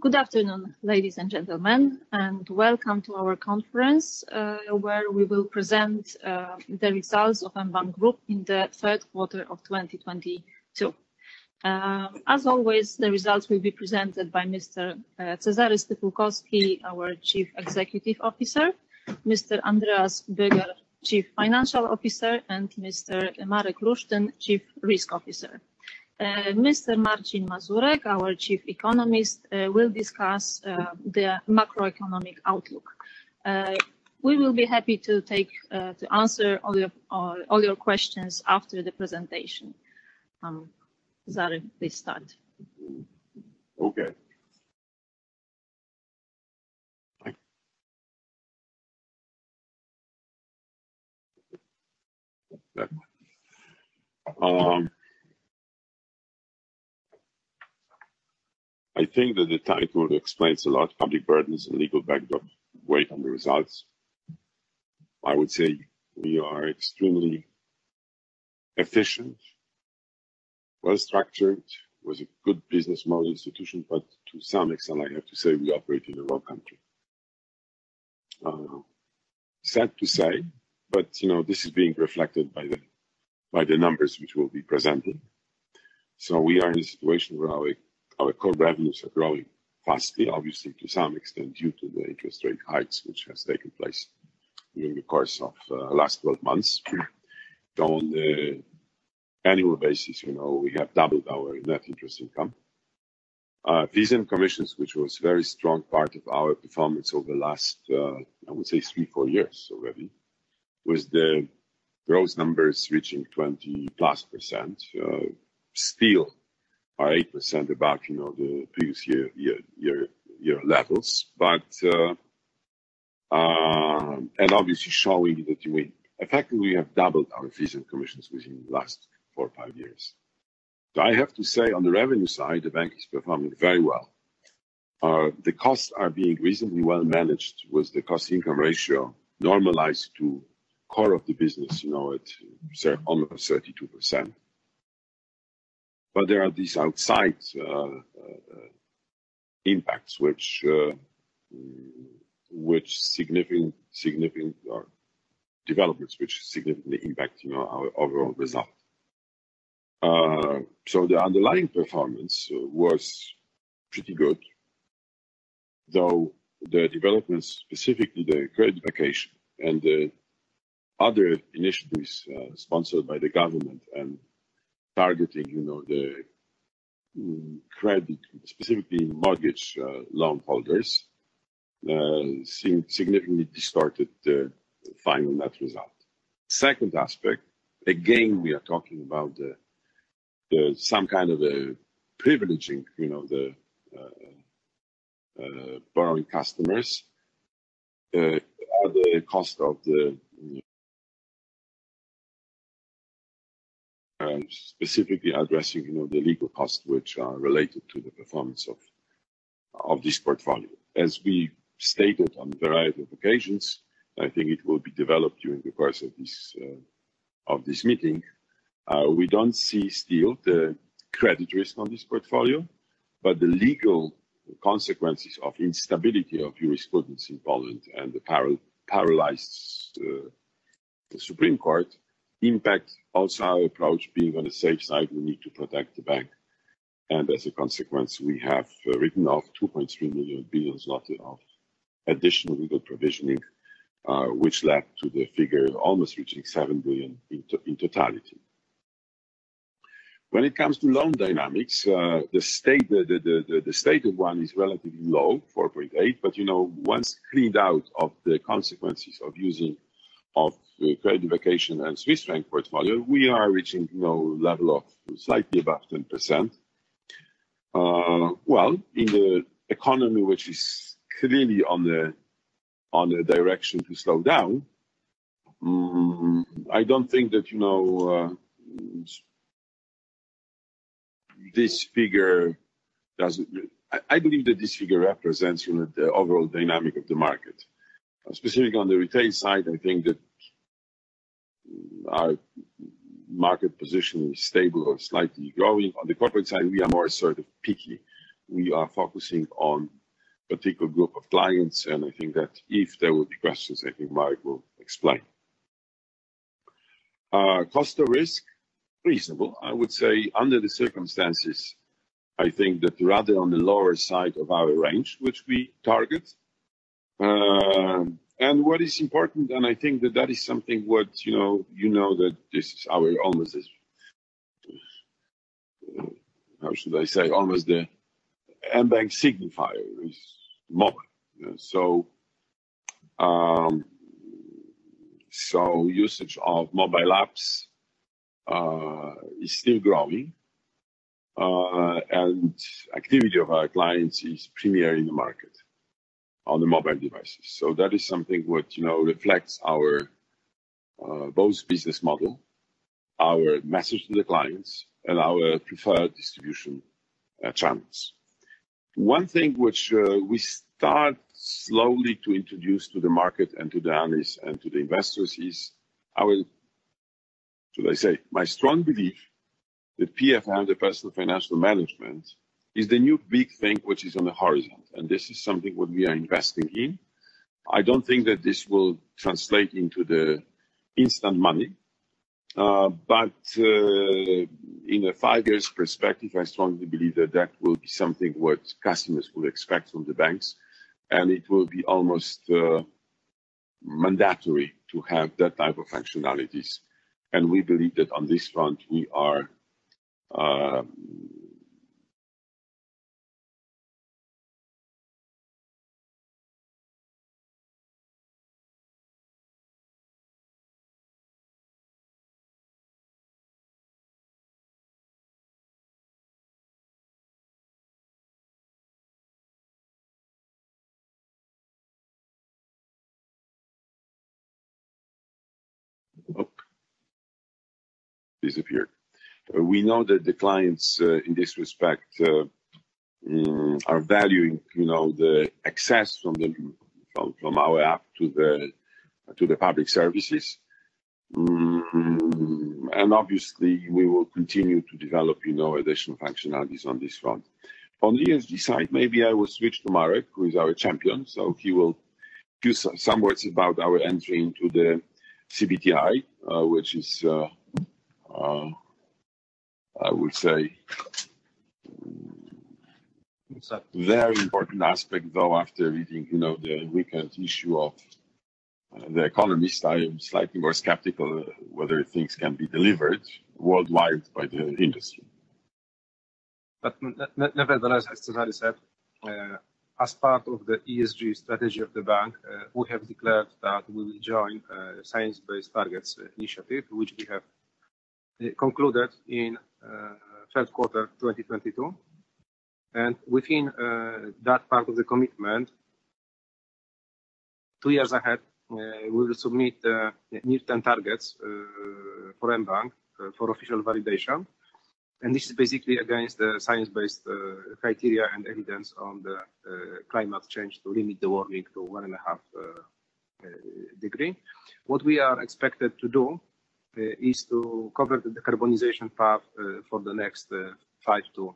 Good afternoon, ladies and gentlemen, welcome to our conference, where we will present the results of mBank Group in the third quarter of 2022. As always, the results will be presented by Mr. Cezary Stypułkowski, our Chief Executive Officer, Mr. Andreas Böge, Chief Financial Officer, and Mr. Marek Lusztyn, Chief Risk Officer. Mr. Marcin Mazurek, our Chief Economist, will discuss the macroeconomic outlook. We will be happy to answer all your questions after the presentation. Cezary, please start. I think that the title explains a lot, public burdens and legal backdrop weigh on the results. I would say we are extremely efficient, well-structured, with a good business model institution, to some extent, I have to say we operate in a raw country. Sad to say, this is being reflected by the numbers which we will be presenting. We are in a situation where our core revenues are growing fast. Obviously, to some extent due to the interest rate hikes which has taken place during the course of last 12 months. On the annual basis, we have doubled our net interest income. Fees and commissions, which was very strong part of our performance over the last, I would say 3, 4 years already, with the gross numbers reaching 20+%, still are 8% above the previous year levels. Obviously showing that you win. In fact, we have doubled our fees and commissions within the last 4 or 5 years. I have to say, on the revenue side, the bank is performing very well. The costs are being reasonably well managed, with the cost-income ratio normalized to core of the business now at almost 32%. There are these outside impacts, developments which significantly impact our overall result. The underlying performance was pretty good. Though the developments, specifically the credit vacation and the other initiatives sponsored by the government and targeting the credit, specifically mortgage loan holders, significantly distorted the final net result. Second aspect, again, we are talking about some kind of privileging the borrowing customers. Specifically addressing the legal costs which are related to the performance of this portfolio. As we stated on a variety of occasions, I think it will be developed during the course of this meeting, we don't see still the credit risk on this portfolio, the legal consequences of instability of jurisprudence in Poland and the paralyzed Supreme Court impacts also our approach being on the safe side, we need to protect the bank. As a consequence, we have written off 2.3 billion, lot of additional legal provisioning, which led to the figure almost reaching 7 billion in totality. When it comes to loan dynamics, the state of one is relatively low, 4.8%, once cleaned out of the consequences of using, of the credit vacation and Swiss franc portfolio, we are reaching level of slightly above 10%. Well, in the economy, which is clearly on a direction to slow down, I believe that this figure represents the overall dynamic of the market. Specifically, on the retail side, I think that our market position is stable or slightly growing. On the corporate side, we are more sort of picky. We are focusing on particular group of clients. I think that if there will be questions, I think Marek will explain. Cost to risk, reasonable, I would say, under the circumstances, I think that rather on the lower side of our range, which we target. What is important, I think that that is something that this is our, almost the mBank signifier is mobile. Usage of mobile apps is still growing. Activity of our clients is premier in the market on the mobile devices. That is something what reflects our both business model, our message to the clients, and our preferred distribution channels. One thing which we start slowly to introduce to the market and to the analysts and to the investors is our strong belief that PFM, the personal financial management, is the new big thing which is on the horizon. This is something what we are investing in. I don't think that this will translate into the instant money. In a five years perspective, I strongly believe that that will be something what customers will expect from the banks. It will be almost mandatory to have that type of functionalities. We believe that on this front, we are. We know that the clients, in this respect, are valuing the access from our app to the public services. Obviously, we will continue to develop additional functionalities on this front. On the ESG side, maybe I will switch to Marek, who is our champion. He will do some words about our entry into the SBTi, which is, I would say, it's a very important aspect, though after reading the weekend issue of "The Economist," I am slightly more skeptical whether things can be delivered worldwide by the industry. Nevertheless, as Cezary said, as part of the ESG strategy of the bank, we have declared that we'll join Science Based Targets initiative, which we have concluded in third quarter 2022. Within that part of the commitment, two years ahead, we will submit the new 10 targets for mBank for official validation. This is basically against the science-based criteria and evidence on the climate change to limit the warming to one and a half degree. What we are expected to do is to cover the decarbonization path for the next five to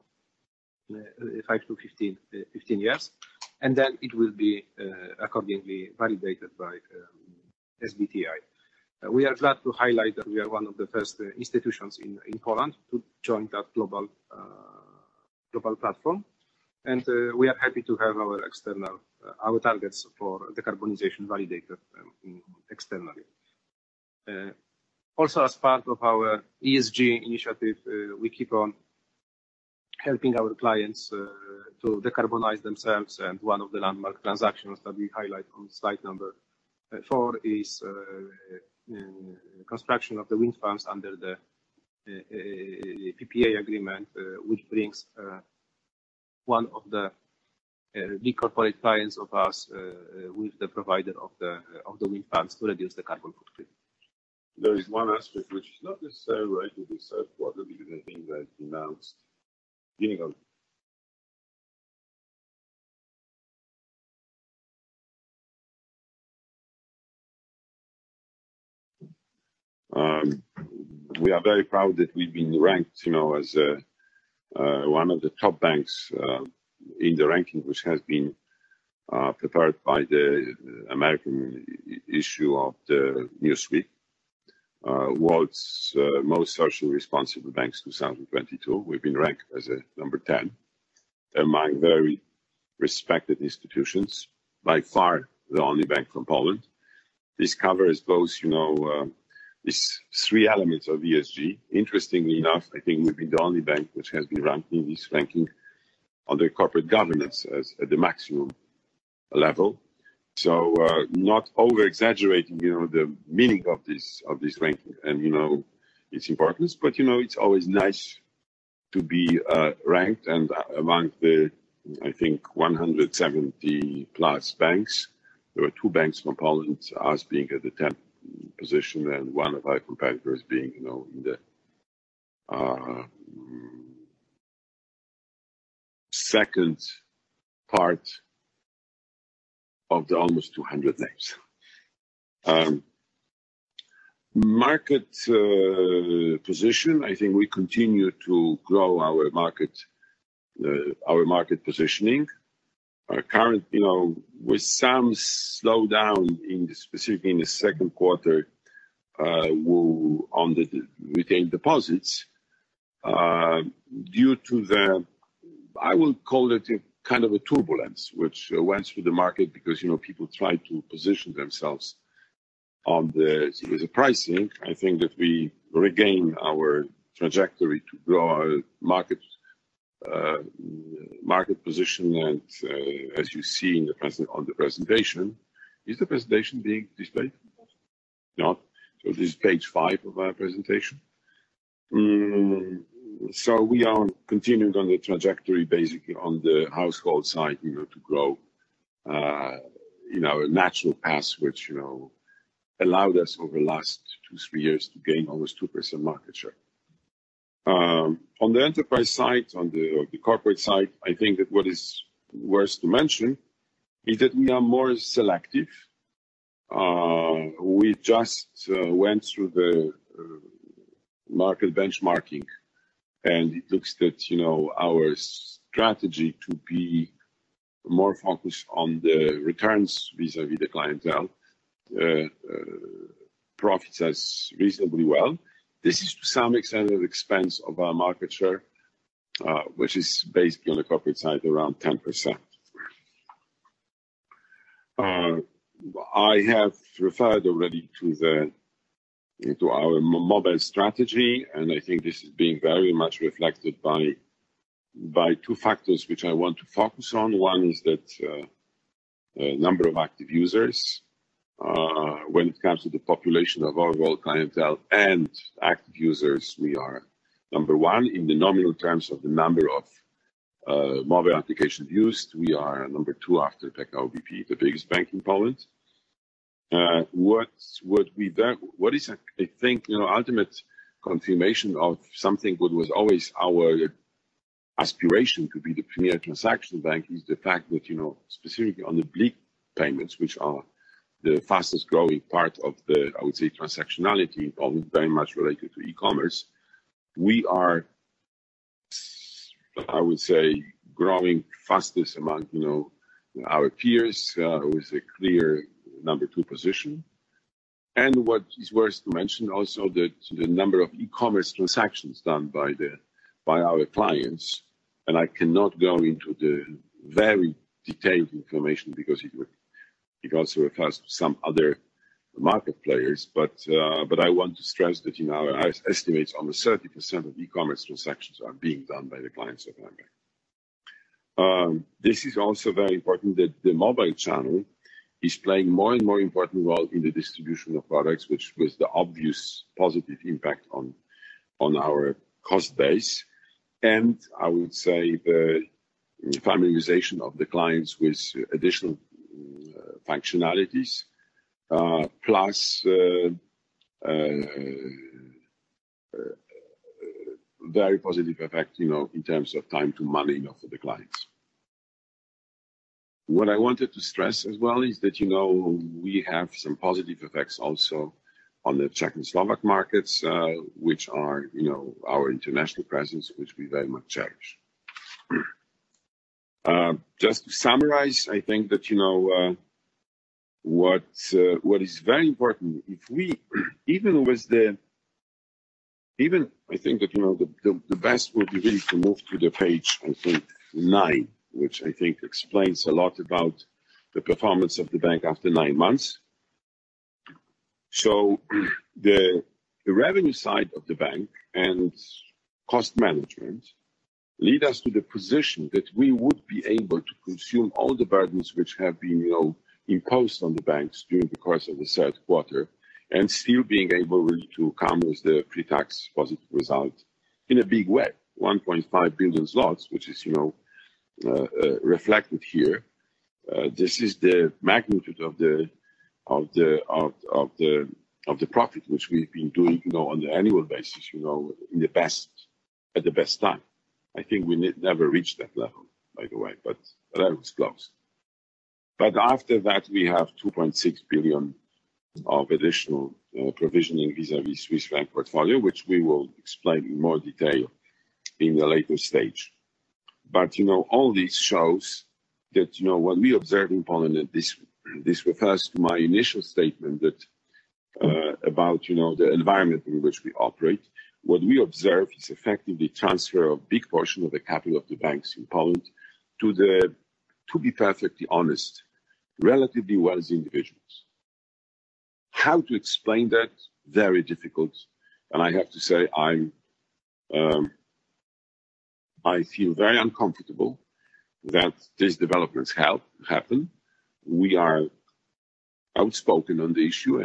15 years. It will be accordingly validated by SBTi. We are glad to highlight that we are one of the first institutions in Poland to join that global platform. We are happy to have our targets for decarbonization validated externally. As part of our ESG initiative, we keep on helping our clients to decarbonize themselves, and one of the landmark transactions that we highlight on slide four is construction of the wind farms under the PPA agreement, which brings one of the big corporate clients of us with the provider of the wind farms to reduce the carbon footprint. There is one aspect which is not necessarily related to third quarter. We are very proud that we've been ranked as one of the top banks in the ranking, which has been prepared by the American issue of Newsweek, The World's Most Socially Responsible Banks 2022. We've been ranked as number 10 among very respected institutions, by far the only bank from Poland. This covers these three elements of ESG. Interestingly enough, I think we've been the only bank which has been ranked in this ranking under corporate governance as at the maximum level. Not overexaggerating the meaning of this ranking and its importance, but it's always nice to be ranked. Among the, I think, 170-plus banks, there were two banks from Poland, us being at the 10th position and one of our competitors being in the second part of the almost 200 names. Market position, I think we continue to grow our market positioning. With some slowdown specifically in the second quarter on the retained deposits due to the, I will call it a kind of a turbulence which went through the market because people tried to position themselves on the pricing. I think that we regained our trajectory to grow our market position, and as you see on the presentation Is the presentation being displayed? No. This is page five of our presentation. We are continuing on the trajectory, basically on the household side to grow our natural path, which allowed us over the last two, three years to gain almost 2% market share. On the enterprise side, on the corporate side, I think that what is worth to mention is that we are more selective. We just went through the market benchmarking, it looks that our strategy to be more focused on the returns vis-a-vis the clientele profits us reasonably well. This is to some extent at the expense of our market share, which is basically on the corporate side, around 10%. I have referred already to our mobile strategy, I think this is being very much reflected by two factors, which I want to focus on. One is that the number of active users, when it comes to the population of our whole clientele and active users, we are number one. In the nominal terms of the number of mobile application used, we are number two after PKO BP, the biggest bank in Poland. What is, I think, ultimate confirmation of something that was always our aspiration to be the premier transaction bank is the fact that, specifically on the BLIK payments, which are the fastest-growing part of the, I would say, transactionality, very much related to e-commerce. We are, I would say, growing fastest among our peers with a clear number 2 position. What is worth to mention also, that the number of e-commerce transactions done by our clients, and I cannot go into the very detailed information because it would also refer to some other market players. I want to stress that our estimates on the 30% of e-commerce transactions are being done by the clients of mBank. This is also very important that the mobile channel is playing more and more important role in the distribution of products, which was the obvious positive impact on our cost base. I would say the familiarization of the clients with additional functionalities, plus a very positive effect, in terms of time to money for the clients. What I wanted to stress as well is that, we have some positive effects also on the Czech and Slovak markets, which are our international presence, which we very much cherish. Just to summarize, I think that what is very important, I think that the best would be really to move to the page nine, which I think explains a lot about the performance of the bank after nine months. The revenue side of the bank and cost management lead us to the position that we would be able to consume all the burdens which have been imposed on the banks during the course of the third quarter, and still being able really to come with the pre-tax positive result in a big way, 1.5 billion zlotys, which is reflected here. This is the magnitude of the profit which we've been doing on the annual basis, at the best time. I think we never reached that level, by the way, but that was close. After that, we have 2.6 billion of additional provisioning vis-a-vis Swiss franc portfolio, which we will explain in more detail in the later stage. All this shows that what we observe in Poland, and this refers to my initial statement about the environment in which we operate. What we observe is effectively transfer of big portion of the capital of the banks in Poland to the, to be perfectly honest, relatively wealthy individuals. How to explain that? Very difficult. I have to say, I feel very uncomfortable that these developments happen. We are outspoken on the issue,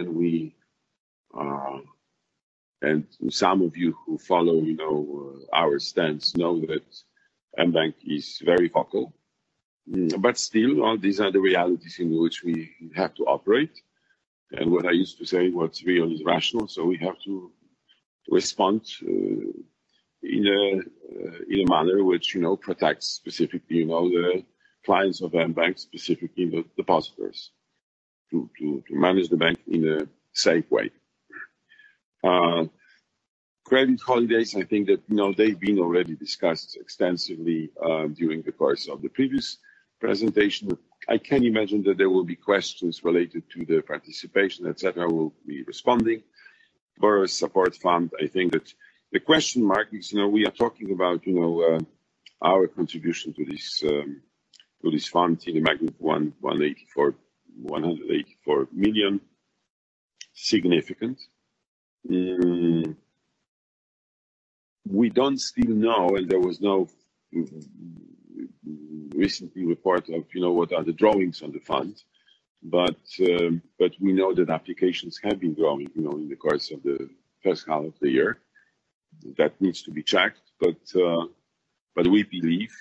and some of you who follow our stance know that mBank is very vocal. Still, these are the realities in which we have to operate. What I used to say, what's real is rational, so we have to respond in a manner which protects specifically the clients of mBank, specifically the depositors, to manage the bank in a safe way. Credit holidays, I think that they've been already discussed extensively during the course of the previous presentation. I can imagine that there will be questions related to the participation, et cetera. We will be responding. Borrow support fund. I think that the question mark is, we are talking about our contribution to this fund in the magnitude of 184 million, significant. We do not still know, and there was no recent report of what are the drawings on the fund, but we know that applications have been growing in the course of the first half of the year. That needs to be checked. But we believe,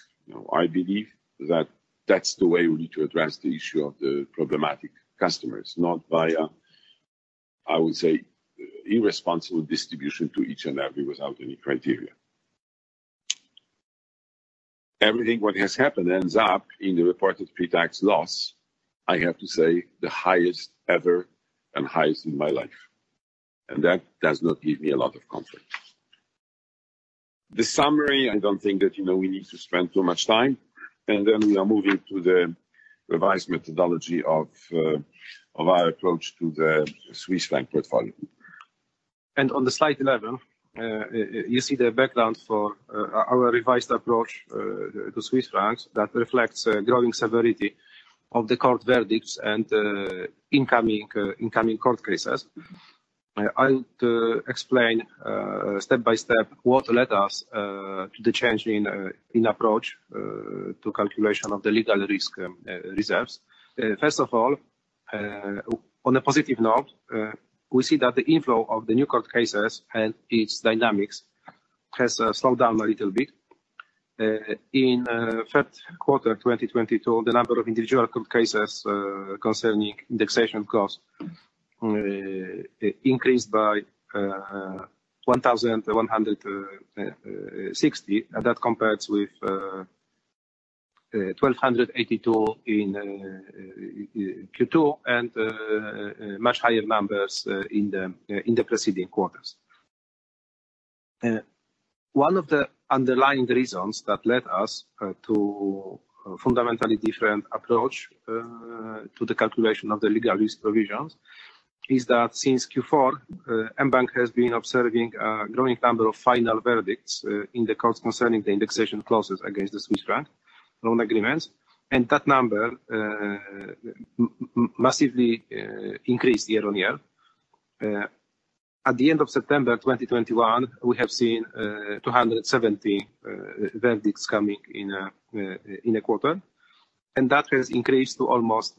I believe, that that's the way we need to address the issue of the problematic customers, not via, I would say, irresponsible distribution to each and every without any criteria. Everything what has happened ends up in the reported pre-tax loss, I have to say, the highest ever and highest in my life, and that does not give me a lot of comfort. The summary. I do not think that we need to spend too much time. We are moving to the revised methodology of our approach to the Swiss franc portfolio. On the slide 11, you see the background for our revised approach to Swiss francs that reflects a growing severity of the court verdicts and incoming court cases. I will explain step by step what led us to the change in approach to calculation of the legal risk reserves. First of all, on a positive note, we see that the inflow of the new court cases and its dynamics has slowed down a little bit. In third quarter 2022, the number of individual court cases concerning indexation clause increased by 1,160. That compares with 1,282 in Q2 and much higher numbers in the preceding quarters. One of the underlying reasons that led us to a fundamentally different approach to the calculation of the legal risk provisions is that since Q4, mBank has been observing a growing number of final verdicts in the courts concerning the indexation clauses against the Swiss franc loan agreements, and that number massively increased year-on-year. At the end of September 2021, we have seen 270 verdicts coming in a quarter, and that has increased to almost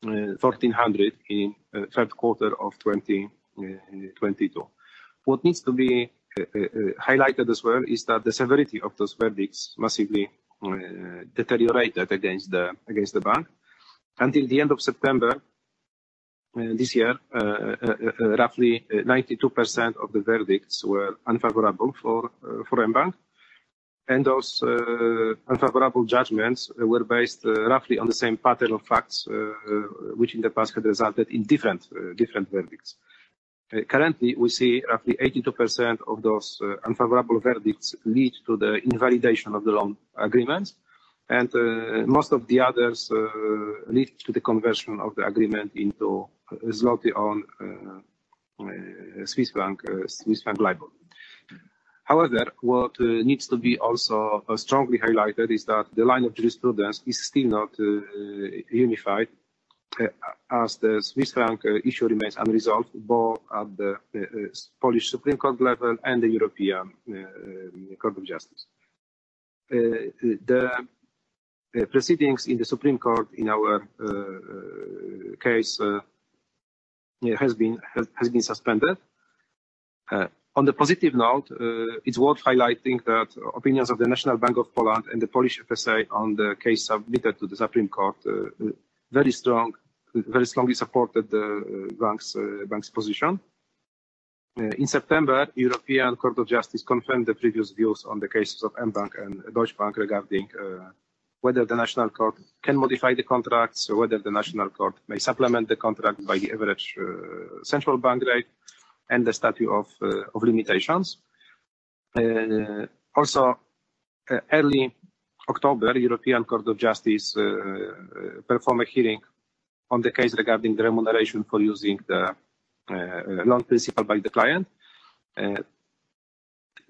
1,300 in third quarter of 2022. What needs to be highlighted as well is that the severity of those verdicts massively deteriorated against the bank. Until the end of September this year, roughly 92% of the verdicts were unfavorable for mBank, and those unfavorable judgments were based roughly on the same pattern of facts, which in the past had resulted in different verdicts. Currently, we see roughly 82% of those unfavorable verdicts lead to the invalidation of the loan agreements, and most of the others lead to the conversion of the agreement into PLN on Swiss franc LIBOR. What needs to be also strongly highlighted is that the line of jurisprudence is still not unified, as the Swiss franc issue remains unresolved both at the Polish Supreme Court level and the European Court of Justice. The proceedings in the Supreme Court in our case has been suspended. It's worth highlighting that opinions of the National Bank of Poland and the Polish FSA on the case submitted to the Supreme Court very strongly supported the bank's position. In September, European Court of Justice confirmed the previous views on the cases of mBank and Deutsche Bank regarding whether the national court can modify the contracts, whether the national court may supplement the contract by average central bank rate and the statute of limitations. Early October, European Court of Justice performed a hearing on the case regarding the remuneration for using the loan principal by the client.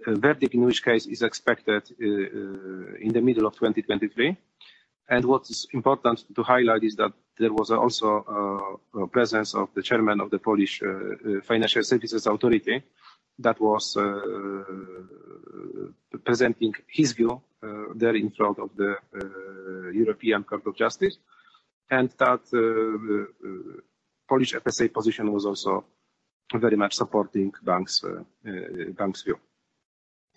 Verdict in which case is expected in the middle of 2023. What is important to highlight is that there was also a presence of the chairman of the Polish Financial Supervision Authority that was presenting his view there in front of the European Court of Justice, and the Polish FSA position was also very much supporting bank's view.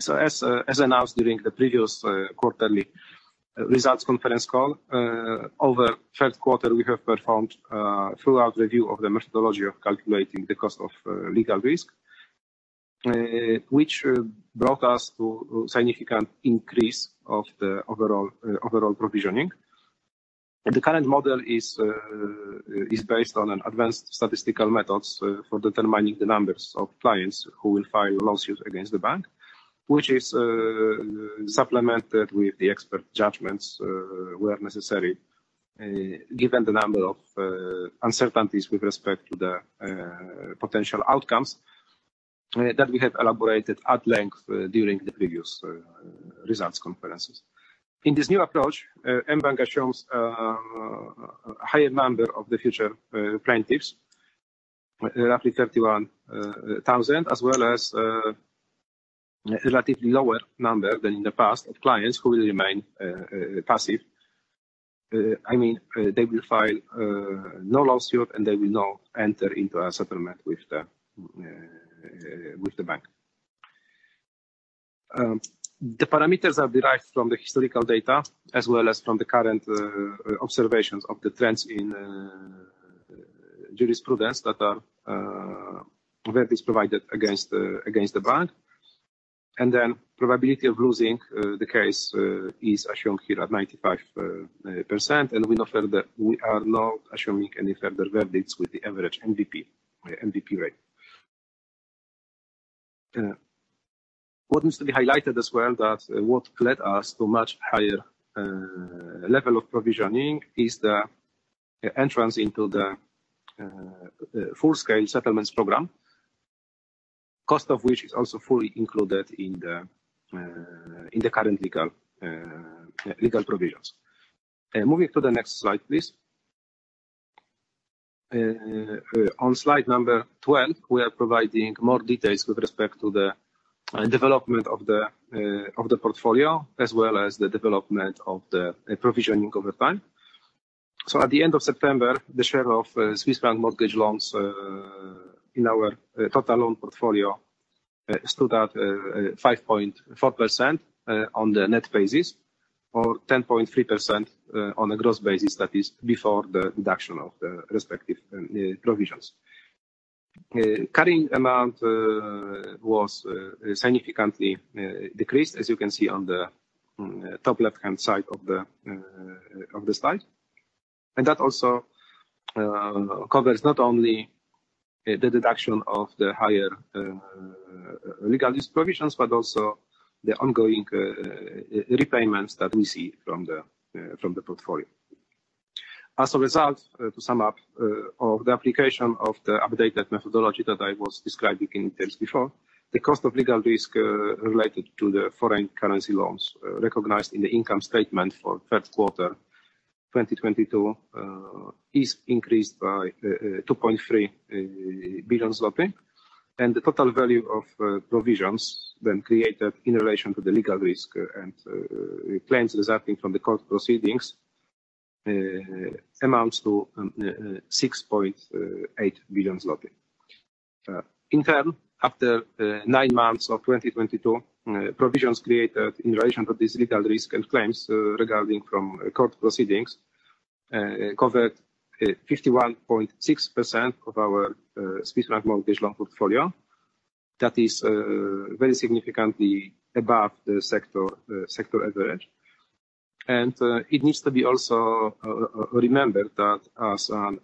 As announced during the previous quarterly results conference call, over third quarter, we have performed a thorough review of the methodology of calculating the cost of legal risk, which brought us to significant increase of the overall provisioning. The current model is based on advanced statistical methods for determining the numbers of clients who will file lawsuits against the bank, which is supplemented with the expert judgments where necessary, given the number of uncertainties with respect to the potential outcomes that we have elaborated at length during the previous results conferences. In this new approach, mBank assumes a higher number of the future plaintiffs, roughly 31,000, as well as a relatively lower number than in the past of clients who will remain passive, I mean, they will file no lawsuit, and they will not enter into a settlement with the bank. The parameters are derived from the historical data as well as from the current observations of the trends in jurisprudence that are verdicts provided against the bank. Then probability of losing the case is shown here at 95%, and we are not assuming any further verdicts with the average NBP rate. What needs to be highlighted as well, that what led us to much higher level of provisioning is the entrance into the full scale settlements program, cost of which is also fully included in the current legal provisions. Moving to the next slide, please. On slide number 12, we are providing more details with respect to the development of the portfolio as well as the development of the provisioning over time. At the end of September, the share of Swiss franc mortgage loans in our total loan portfolio stood at 5.4% on the net basis or 10.3% on a gross basis. That is before the deduction of the respective provisions. Carrying amount was significantly decreased, as you can see on the top left-hand side of the slide. That also covers not only the deduction of the higher legal risk provisions, but also the ongoing repayments that we see from the portfolio. As a result, to sum up the application of the updated methodology that I was describing in terms before, the cost of legal risk related to the foreign currency loans recognized in the income statement for third quarter 2022 is increased by 2.3 billion zloty, the total value of provisions then created in relation to the legal risk and claims resulting from the court proceedings amounts to 6.8 billion zloty. In turn, after nine months of 2022, provisions created in relation to this legal risk and claims resulting from court proceedings covered 51.6% of our Swiss franc mortgage loan portfolio. That is very significantly above the sector average. It needs to be also remembered that as an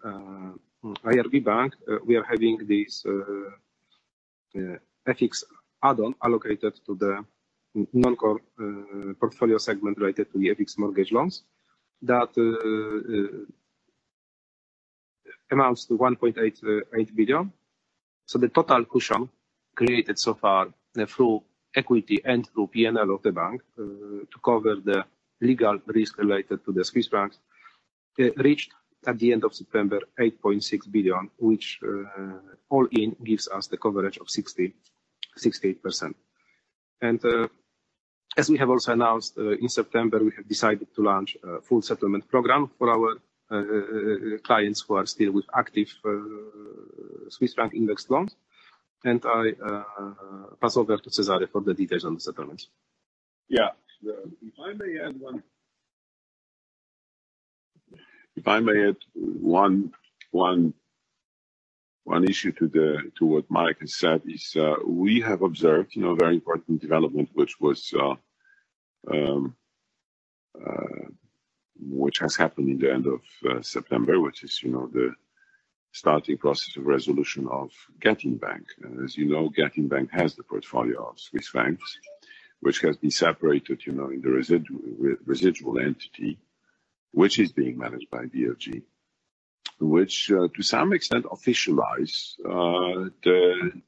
IRB bank, we are having this FX add-on allocated to the non-core portfolio segment related to the FX mortgage loans that amounts to 1.8 billion. The total cushion created so far through equity and through P&L of the bank to cover the legal risk related to the Swiss francs reached at the end of September 8.6 billion, which all in gives us the coverage of 68%. As we have also announced in September, we have decided to launch a full settlement program for our clients who are still with active Swiss franc indexed loans. I pass over to Cezary for the details on the settlements. If I may add one issue to what Marek has said, is we have observed a very important development, which has happened in the end of September, which is the starting process of resolution of Getin Bank. As you know, Getin Bank has the portfolio of Swiss francs, which has been separated in the residual entity, which is being managed by BFG, which to some extent officialize the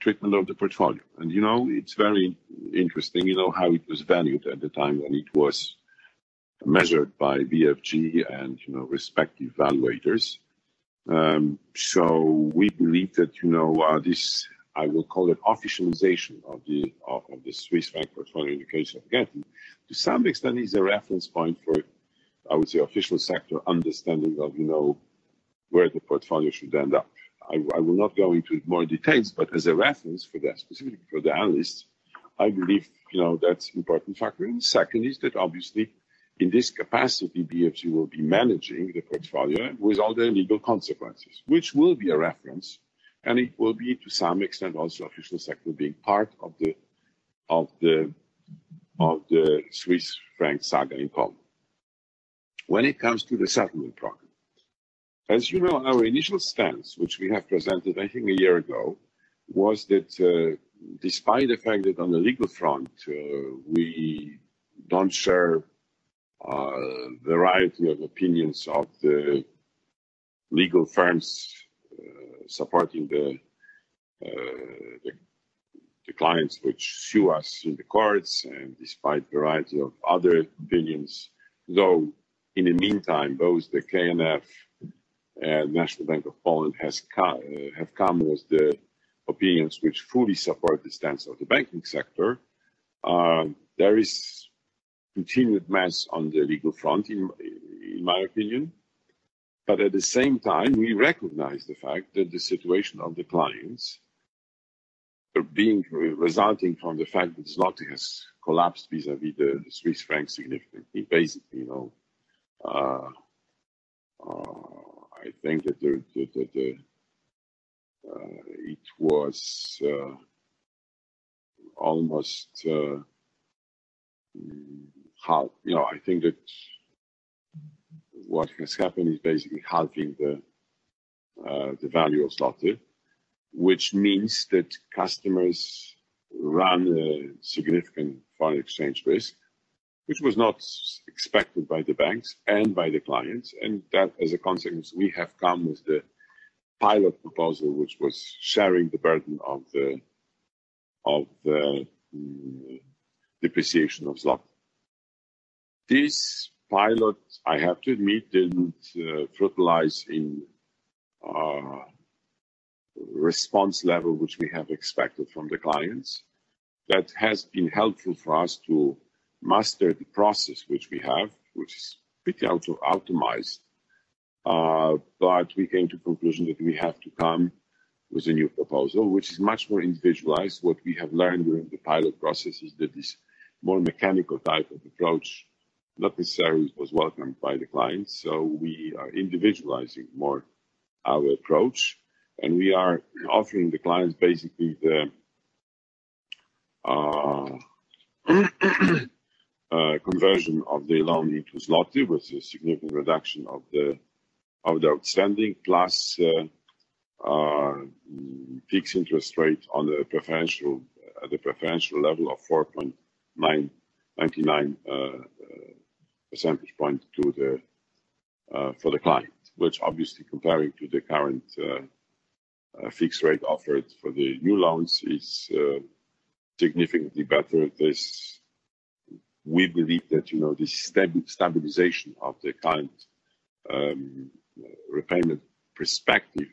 treatment of the portfolio. It's very interesting how it was valued at the time when it was measured by BFG and respective valuators. We believe that this, I will call it officialization of the Swiss franc portfolio in the case of Getin, to some extent, is a reference point for, I would say, official sector understanding of where the portfolio should end up. I will not go into more details, but as a reference for that, specifically for the analysts, I believe that's important factor. Second is that obviously in this capacity, BFG will be managing the portfolio with all the legal consequences, which will be a reference, and it will be to some extent also official sector being part of the Swiss franc saga in Poland. When it comes to the settlement program, as you know, our initial stance, which we have presented, I think a year ago, was that despite the fact that on the legal front, we don't share the variety of opinions of the legal firms supporting the clients which sue us in the courts, and despite variety of other opinions, though, in the meantime, both the KNF and National Bank of Poland have come with the opinions which fully support the stance of the banking sector. There is continued mess on the legal front, in my opinion. At the same time, we recognize the fact that the situation of the clients resulting from the fact that the złoty has collapsed vis-a-vis the Swiss franc significantly. I think that what has happened is basically halving the value of złoty, which means that customers run a significant foreign exchange risk, which was not expected by the banks and by the clients, and that, as a consequence, we have come with the pilot proposal, which was sharing the burden of the depreciation of złoty. This pilot, I have to admit, didn't fertilize in response level, which we have expected from the clients. That has been helpful for us to master the process, which we have, which is pretty auto-optimized. We came to conclusion that we have to come with a new proposal, which is much more individualized. What we have learned during the pilot process is that this more mechanical type of approach not necessarily was welcomed by the clients. We are individualizing more our approach, and we are offering the clients basically the conversion of the loan into złoty with a significant reduction of the outstanding, plus fixed interest rate at the preferential level of 4.99 percentage point for the client, which obviously comparing to the current fixed rate offered for the new loans is significantly better. We believe that the stabilization of the client repayment perspective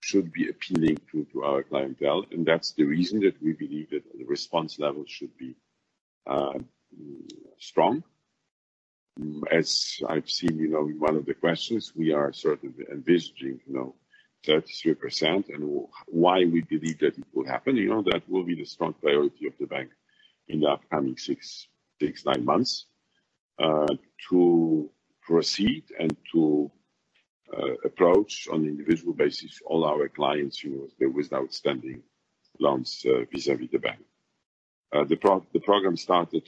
should be appealing to our clientele, and that's the reason that we believe that the response level should be strong. As I've seen in one of the questions, we are certainly envisaging 33%, and why we believe that it will happen. That will be the strong priority of the bank in the upcoming six, nine months, to proceed and to approach on individual basis all our clients with outstanding loans vis-a-vis the bank. The program started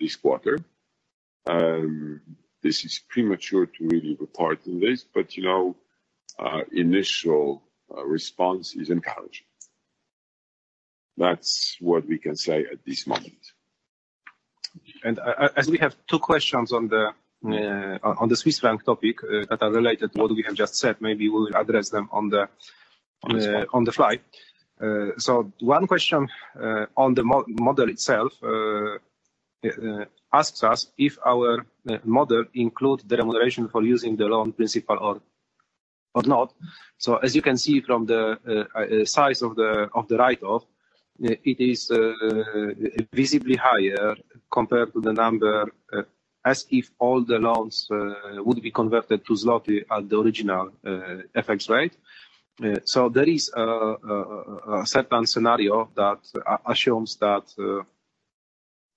this quarter. This is premature to really report on this, but initial response is encouraging. That's what we can say at this moment. As we have two questions on the Swiss franc topic that are related to what we have just said, maybe we'll address them on the fly. One question on the model itself asks us if our model includes the remuneration for using the loan principal or not. As you can see from the size of the write-off, it is visibly higher compared to the number, as if all the loans would be converted to PLN at the original FX rate. There is a certain scenario that assumes that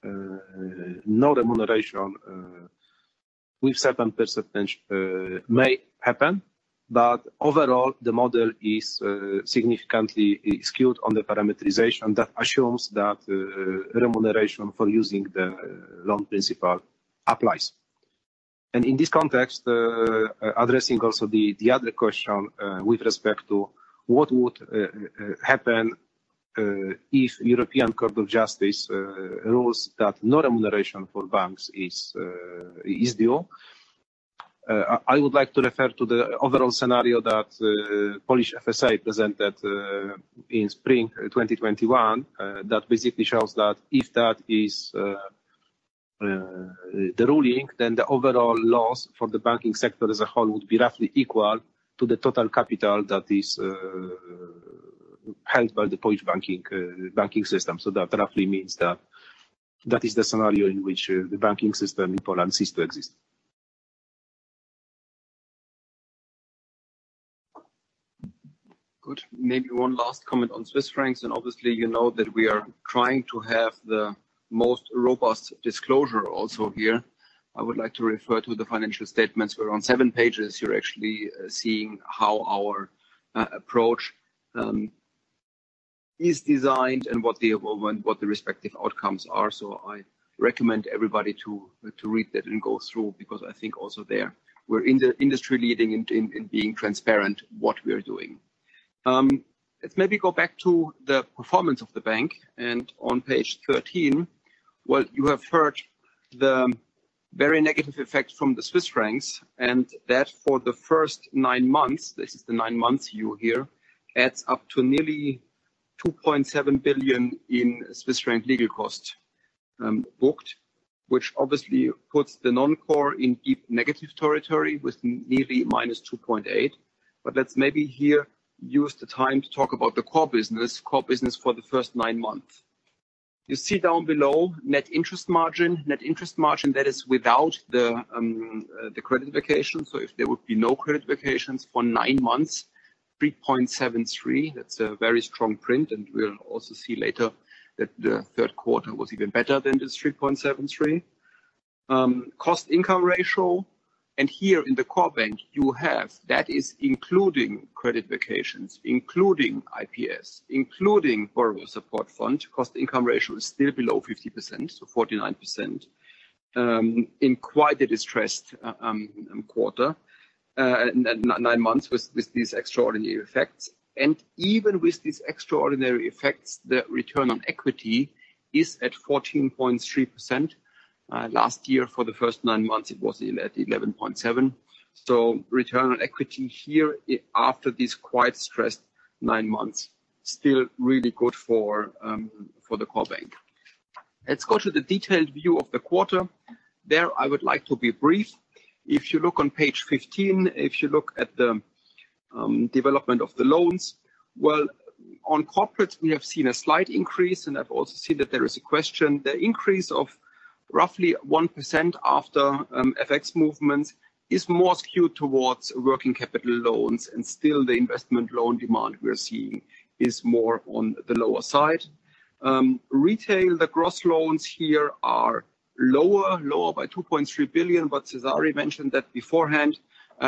no remuneration with certain percentage may happen. Overall, the model is significantly skewed on the parameterization that assumes that remuneration for using the loan principal applies. In this context, addressing also the other question with respect to what would happen if European Court of Justice rules that no remuneration for banks is due. I would like to refer to the overall scenario that Polish FSA presented in spring 2021, that basically shows that if that is the ruling, then the overall loss for the banking sector as a whole would be roughly equal to the total capital that is held by the Polish banking system. That roughly means that that is the scenario in which the banking system in Poland ceases to exist. Good. Maybe one last comment on Swiss francs, obviously, you know that we are trying to have the most robust disclosure also here. I would like to refer to the financial statements. We're on seven pages. You're actually seeing how our approach is designed and what the respective outcomes are. I recommend everybody to read that and go through, because I think also there we're industry-leading in being transparent what we're doing. Let's maybe go back to the performance of the bank, on page 13. Well, you have heard the very negative effect from the Swiss francs, and that for the first nine months, this is the nine months you hear, adds up to nearly 2.7 billion in Swiss franc legal costs booked. Which obviously puts the non-core in deep negative territory with nearly -2.8%. Let's maybe here use the time to talk about the core business for the first nine months. You see down below net interest margin. Net interest margin, that is without the credit vacations. If there would be no credit vacations for nine months, 3.73%. That's a very strong print, and we'll also see later that the third quarter was even better than this 3.73%. Cost income ratio. Here in the core bank you have, that is including credit vacations, including IPs, including Borrower Support Fund. Cost income ratio is still below 50%, so 49%, in quite a distressed quarter. Nine months with these extraordinary effects. Even with these extraordinary effects, the return on equity is at 14.3%. Last year, for the first nine months, it was 11.7%. Return on equity here after these quite stressed nine months, still really good for the core bank. Let's go to the detailed view of the quarter. There I would like to be brief. If you look on page 15, if you look at the development of the loans. Well, on corporates we have seen a slight increase, and I've also seen that there is a question. The increase of roughly 1% after FX movements is more skewed towards working capital loans. Still the investment loan demand we are seeing is more on the lower side. Retail, the gross loans here are lower by 2.3 billion, but Cezary mentioned that beforehand.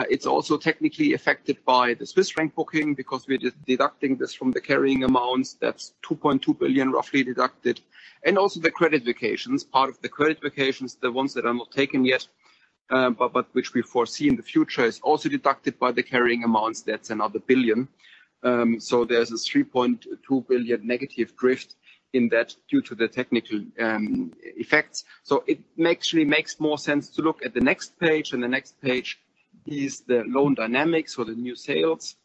It's also technically affected by the Swiss franc booking because we're deducting this from the carrying amounts. That's 2.2 billion roughly deducted. Also the credit vacations. Part of the credit vacations, the ones that are not taken yet, but which we foresee in the future, is also deducted by the carrying amounts. That's another 1 billion. There's a 3.2 billion negative drift in that due to the technical effects. It actually makes more sense to look at the next page, the next page is the loan dynamics or the new sales.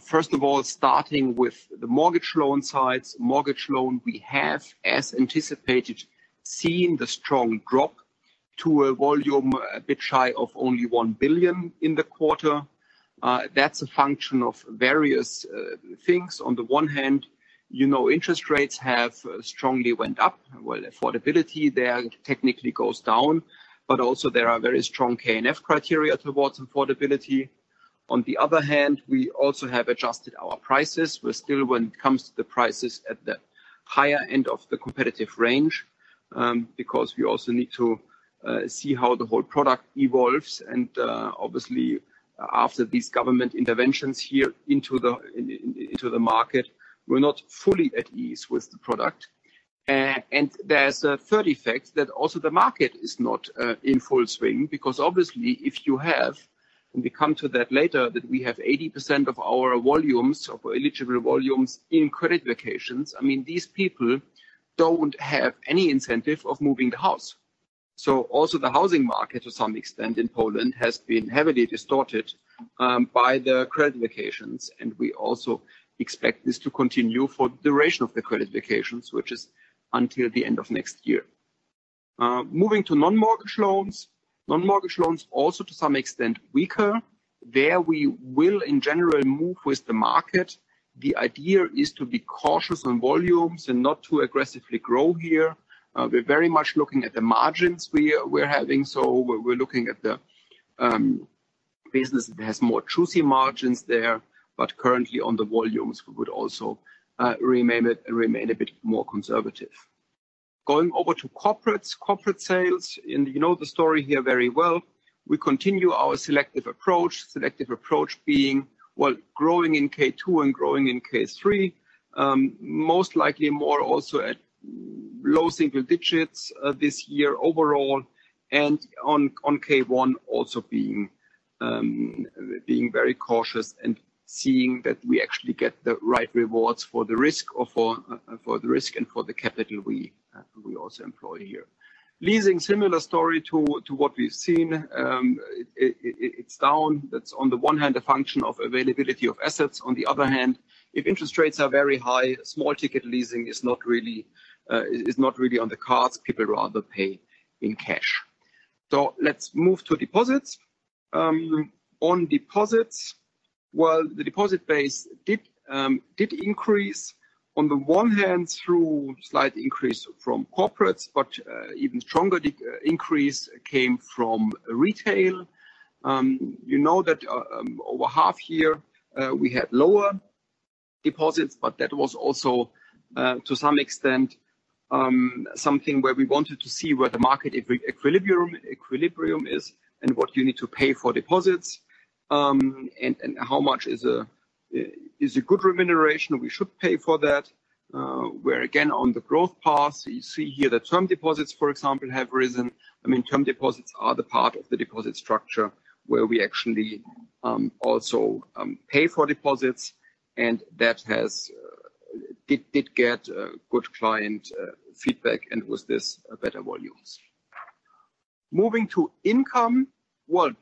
First of all, starting with the mortgage loan sides. Mortgage loan we have, as anticipated, seen the strong drop to a volume a bit shy of only 1 billion in the quarter. That's a function of various things. On the one hand, interest rates have strongly went up. Well, affordability there technically goes down, but also there are very strong KNF criteria towards affordability. On the other hand, we also have adjusted our prices. We're still, when it comes to the prices, at the higher end of the competitive range, because we also need to see how the whole product evolves. Obviously, after these government interventions here into the market, we're not fully at ease with the product. There's a third effect that also the market is not in full swing because obviously if you have, and we come to that later, that we have 80% of our eligible volumes in credit vacations. These people don't have any incentive of moving the house. Also the housing market, to some extent in Poland, has been heavily distorted by the credit vacations, and we also expect this to continue for the duration of the credit vacations, which is until the end of next year. Moving to non-mortgage loans. Non-mortgage loans also to some extent weaker. There we will in general move with the market. The idea is to be cautious on volumes and not to aggressively grow here. We're very much looking at the margins we're having. We're looking at the business that has more juicy margins there. Currently on the volumes, we would also remain a bit more conservative. Going over to corporate sales, you know the story here very well. We continue our selective approach. Selective approach being, well, growing in K2 and growing in K3. Most likely more also at low single digits this year overall. On K1 also being very cautious and seeing that we actually get the right rewards for the risk and for the capital we also employ here. Leasing, similar story to what we've seen. It's down. That's on the one hand, a function of availability of assets. On the other hand, if interest rates are very high, small ticket leasing is not really on the cards. People rather pay in cash. Let's move to deposits. On deposits, well, the deposit base did increase, on the one hand through slight increase from corporates, but even stronger increase came from retail. You know that over half year, we had lower deposits, but that was also, to some extent, something where we wanted to see where the market equilibrium is and what you need to pay for deposits, and how much is a good remuneration we should pay for that. We're again on the growth path. You see here that term deposits, for example, have risen. Term deposits are the part of the deposit structure where we actually also pay for deposits, and that did get good client feedback and with this better volumes. Moving to income. Well,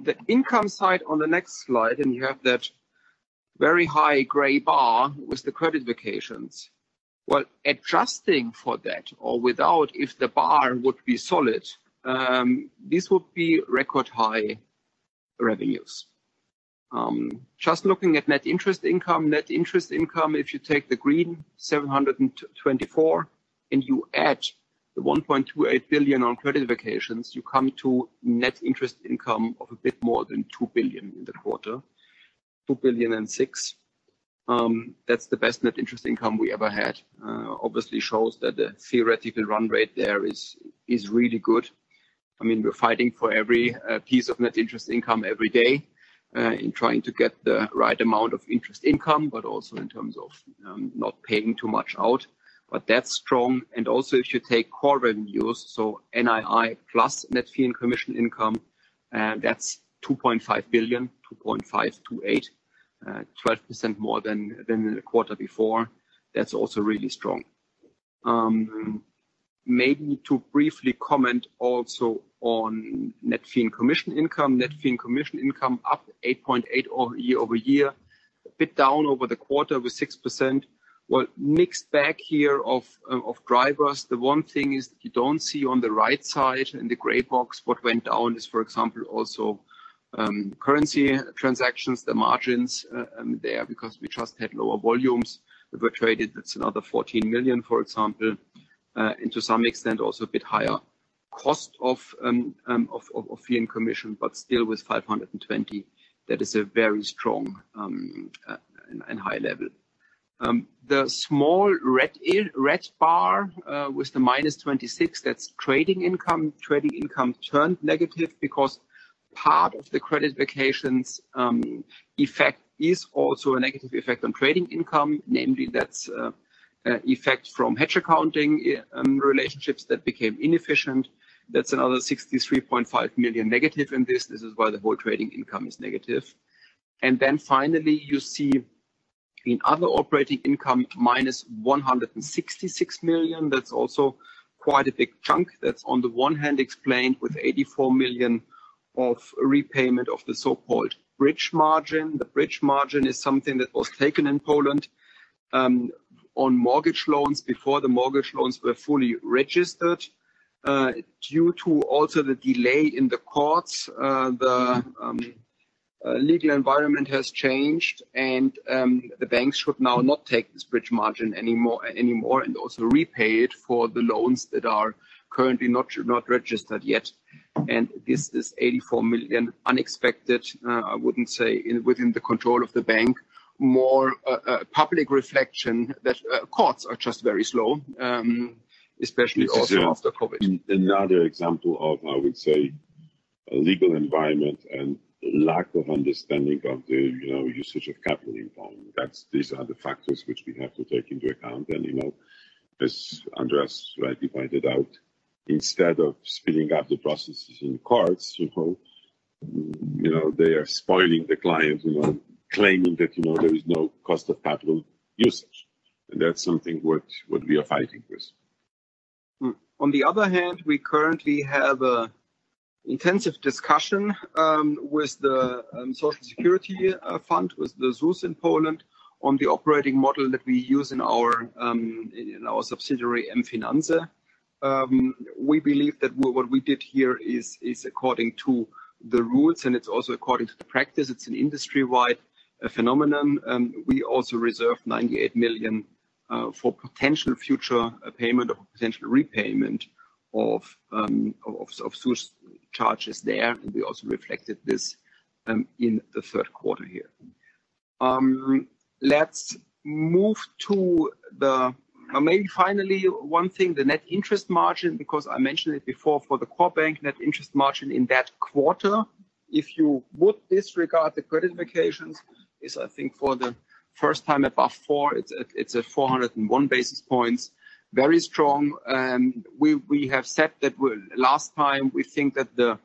the income side on the next slide, you have that very high gray bar with the credit vacations. Well, adjusting for that or without, if the bar would be solid, this would be record-high revenues. Just looking at net interest income. Net interest income, if you take the green 724, you add the 1.28 billion on credit vacations, you come to net interest income of a bit more than 2 billion in the quarter, 2.06 billion. That's the best net interest income we ever had. Obviously shows that the theoretical run rate there is really good. We're fighting for every piece of net interest income every day in trying to get the right amount of interest income, but also in terms of not paying too much out. That's strong. Also if you take core revenues, NII plus net fee and commission income, that's 2.5 billion, 2.528, 12% more than the quarter before. That's also really strong. Maybe to briefly comment also on net fee and commission income. Net fee and commission income up 8.8% year-over-year. A bit down over the quarter with 6%. Well, mixed bag here of drivers. The one thing is that you don't see on the right side in the gray box what went down is, for example, also currency transactions, the margins there, because we just had lower volumes that were traded. That's another 14 million, for example. To some extent, also a bit higher cost of fee and commission, but still with 520, that is a very strong and high level. The small red bar with the -26, that's trading income. Trading income turned negative because part of the credit vacations effect is also a negative effect on trading income. Namely, that's effect from hedge accounting relationships that became inefficient. That's another 63.5 million negative in this. This is why the whole trading income is negative. Finally, you see in other operating income, minus 166 million. That's also quite a big chunk. That's on the one hand explained with 84 million of repayment of the so-called bridge margin. The bridge margin is something that was taken in Poland on mortgage loans before the mortgage loans were fully registered. Due to also the delay in the courts, the legal environment has changed, and the banks should now not take this bridge margin anymore and also repay it for the loans that are currently not registered yet. This is 84 million unexpected, I wouldn't say within the control of the bank. More a public reflection that courts are just very slow, especially also after COVID. This is another example of, I would say, a legal environment and lack of understanding of the usage of capital in Poland. These are the factors which we have to take into account. As Andreas rightly pointed out, instead of speeding up the processes in the courts, they are spoiling the client, claiming that there is no cost of capital usage. That's something what we are fighting with. On the other hand, we currently have an intensive discussion with the social security fund, with the ZUS in Poland, on the operating model that we use in our subsidiary, mFinanse. We believe that what we did here is according to the rules, and it's also according to the practice. It's an industry-wide phenomenon. We also reserved 98 million for potential future payment or potential repayment of ZUS charges there, and we also reflected this in the third quarter here. Let's move to the. Finally, one thing, the net interest margin, because I mentioned it before for the core bank net interest margin in that quarter. If you would disregard the credit vacations, is, I think, for the first time above four. It's at 401 basis points. Very strong. We have said that last time we think that the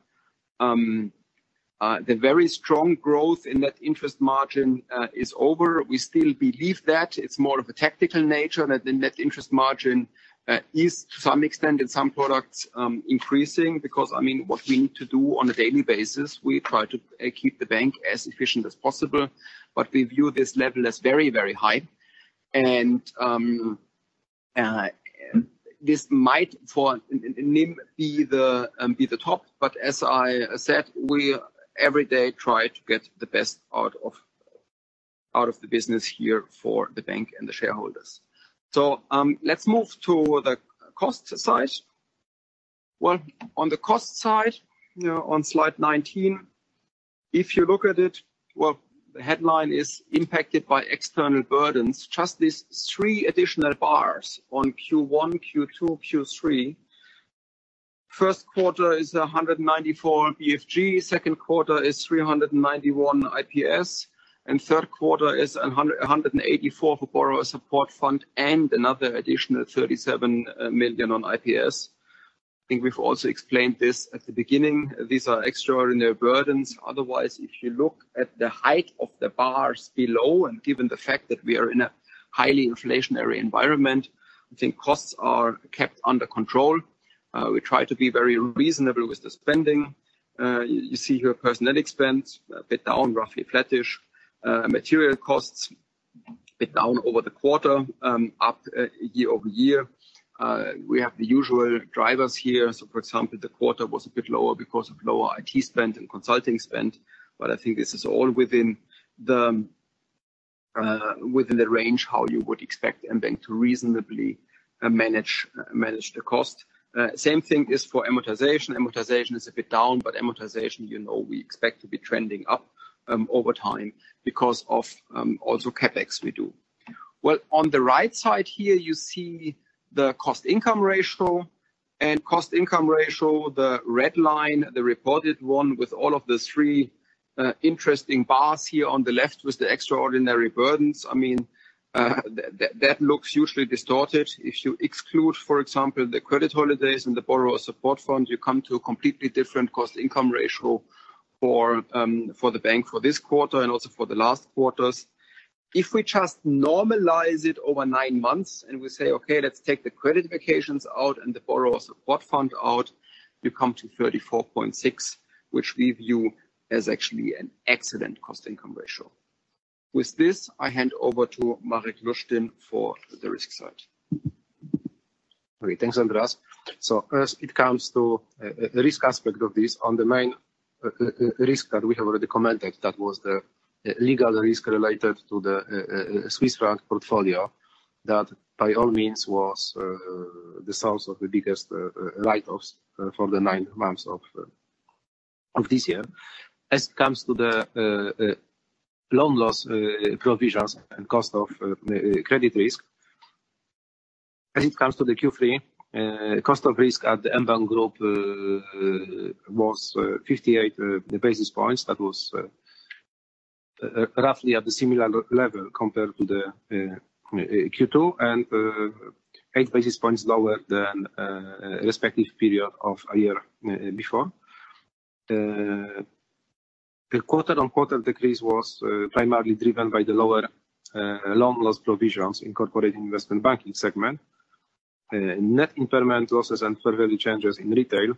very strong growth in that interest margin is over. We still believe that it's more of a tactical nature that the net interest margin is, to some extent, in some products, increasing because what we need to do on a daily basis, we try to keep the bank as efficient as possible. We view this level as very high. And this might, for NIM, be the top. As I said, we every day try to get the best out of the business here for the bank and the shareholders. Let's move to the cost side. On the cost side, on slide 19, if you look at it, the headline is impacted by external burdens. Just these three additional bars on Q1, Q2, Q3. First quarter is 194 BFG, second quarter is 391 IPs, and third quarter is 184 for borrower support fund and another additional 37 million on IPs. I think we've also explained this at the beginning. These are extraordinary burdens. Otherwise, if you look at the height of the bars below, and given the fact that we are in a highly inflationary environment, I think costs are kept under control. We try to be very reasonable with the spending. You see here personnel expense a bit down, roughly flattish. Material costs a bit down over the quarter, up year-over-year. We have the usual drivers here. For example, the quarter was a bit lower because of lower IT spend and consulting spend, but I think this is all within the range, how you would expect mBank to reasonably manage the cost. Same thing is for amortization. Amortization is a bit down, but amortization, we expect to be trending up over time because of also CapEx we do. On the right side here, you see the cost income ratio. Cost income ratio, the red line, the reported one with all of the three interesting bars here on the left with the extraordinary burdens. That looks usually distorted. If you exclude, for example, the credit holidays and the borrower support fund, you come to a completely different cost income ratio for the bank for this quarter and also for the last quarters. If we just normalize it over nine months and we say, "Okay, let's take the credit vacations out and the borrower support fund out," you come to 34.6%, which we view as actually an excellent cost income ratio. With this, I hand over to Marek Lusztyn for the risk side. Okay. Thanks, Andreas. As it comes to risk aspect of this, on the main risk that we have already commented, that was the legal risk related to the Swiss franc portfolio, that by all means was the source of the biggest write-offs for the nine months of this year. As it comes to the loan loss provisions and cost of credit risk, as it comes to the Q3, cost of risk at the mBank Group was 58 basis points. That was roughly at the similar level compared to the Q2 and eight basis points lower than respective period of a year before. The quarter-on-quarter decrease was primarily driven by the lower loan loss provisions in corporate investment banking segment. Net impairment losses and further changes in retail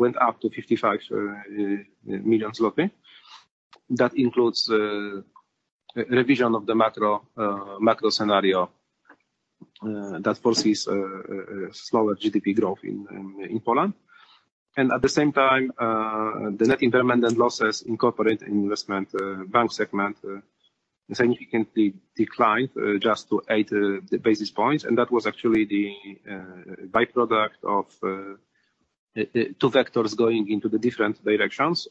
went up to 55 million zloty. That includes revision of the macro scenario that foresees a slower GDP growth in Poland. At the same time, the net impairment and losses in corporate investment bank segment significantly declined just to eight basis points. That was actually the byproduct of two vectors going into the different directions.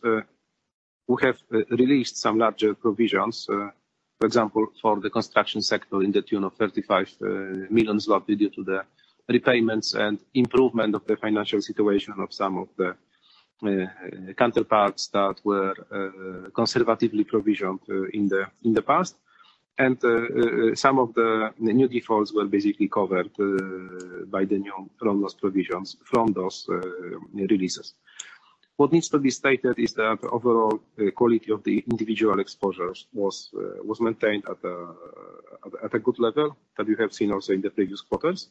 We have released some larger provisions, for example, for the construction sector in the tune of 35 million zloty due to the repayments and improvement of the financial situation of some of the counterparts that were conservatively provisioned in the past. Some of the new defaults were basically covered by the new loan loss provisions from those releases. What needs to be stated is that the overall quality of the individual exposures was maintained at a good level that we have seen also in the previous quarters.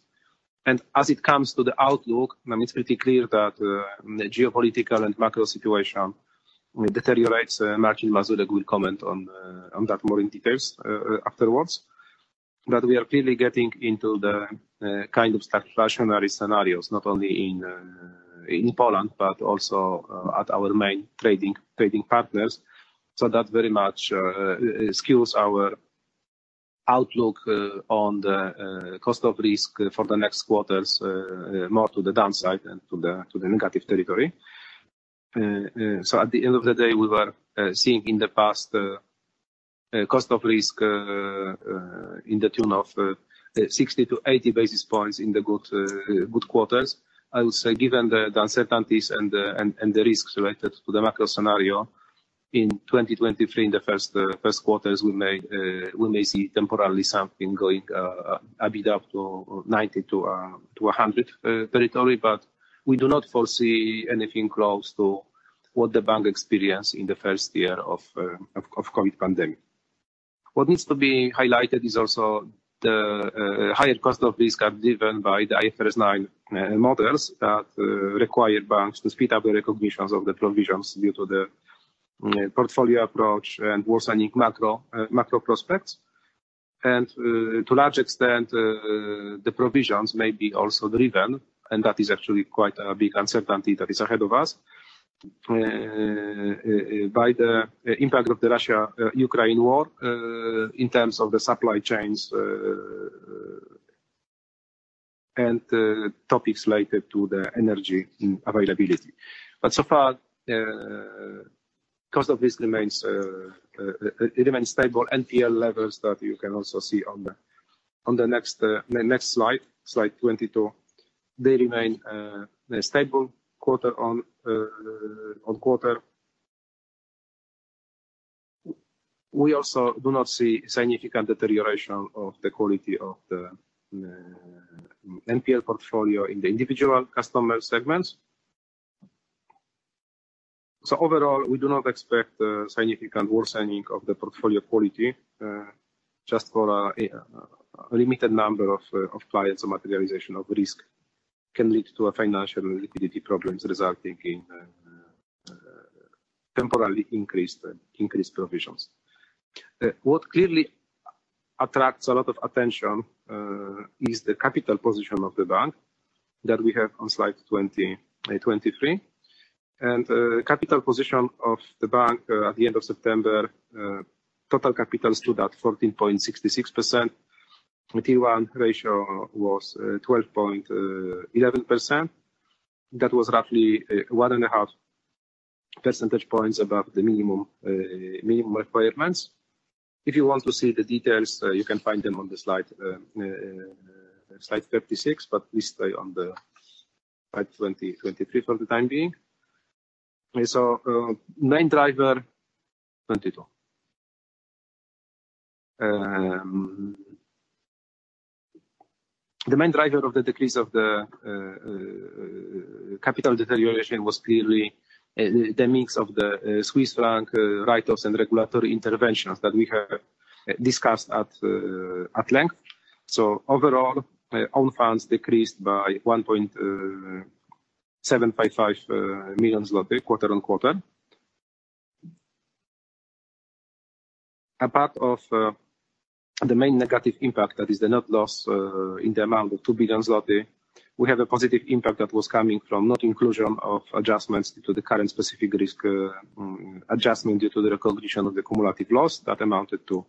As it comes to the outlook, it's pretty clear that the geopolitical and macro situation deteriorates. Marcin Mazurek will comment on that more in details afterwards. We are clearly getting into the kind of stationary scenarios, not only in Poland, but also at our main trading partners. That very much skews our outlook on the cost of risk for the next quarters, more to the downside and to the negative territory. At the end of the day, we were seeing in the past cost of risk in the tune of 60 to 80 basis points in the good quarters. I would say given the uncertainties and the risks related to the macro scenario in 2023, in the first quarters, we may see temporarily something going a bit up to 90 to 100 territory, but we do not foresee anything close to what the bank experienced in the first year of COVID pandemic. What needs to be highlighted is also the higher cost of risk are driven by the IFRS 9 models that require banks to speed up the recognitions of the provisions due to the portfolio approach and worsening macro prospects. To a large extent, the provisions may be also driven, and that is actually quite a big uncertainty that is ahead of us, by the impact of the Russia-Ukraine war, in terms of the supply chains and topics related to the energy availability. So far, cost of risk remains stable. NPL levels that you can also see on the next slide 22. They remain stable quarter-on-quarter. We also do not see significant deterioration of the quality of the NPL portfolio in the individual customer segments. Overall, we do not expect significant worsening of the portfolio quality. Just for a limited number of clients, a materialization of risk can lead to financial liquidity problems resulting in temporarily increased provisions. What clearly attracts a lot of attention is the capital position of the bank that we have on slide 23. Capital position of the bank at the end of September, total capital stood at 14.66%. Tier 1 ratio was 12.11%. That was roughly one and a half percentage points above the minimum requirements. If you want to see the details, you can find them on the slide 36. Please stay on slide 23 for the time being. Main driver, 2022. The main driver of the decrease of the capital deterioration was clearly the mix of the Swiss franc write-offs and regulatory interventions that we have discussed at length. Overall, own funds decreased by 1.755 million zloty quarter-on-quarter. Apart from the main negative impact, that is the net loss in the amount of 2 billion zloty. We have a positive impact that was coming from not inclusion of adjustments to the current specific risk adjustment due to the recognition of the cumulative loss that amounted to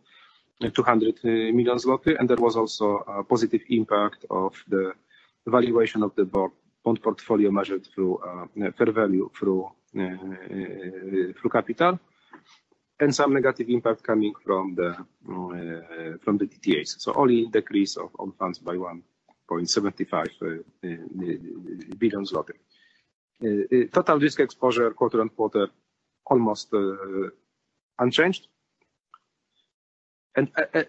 200 million zloty. There was also a positive impact of the valuation of the bond portfolio measured through fair value through capital, and some negative impact coming from the DTAs. Only decrease of own funds by 1.75 billion zloty. Total risk exposure quarter-on-quarter, almost unchanged.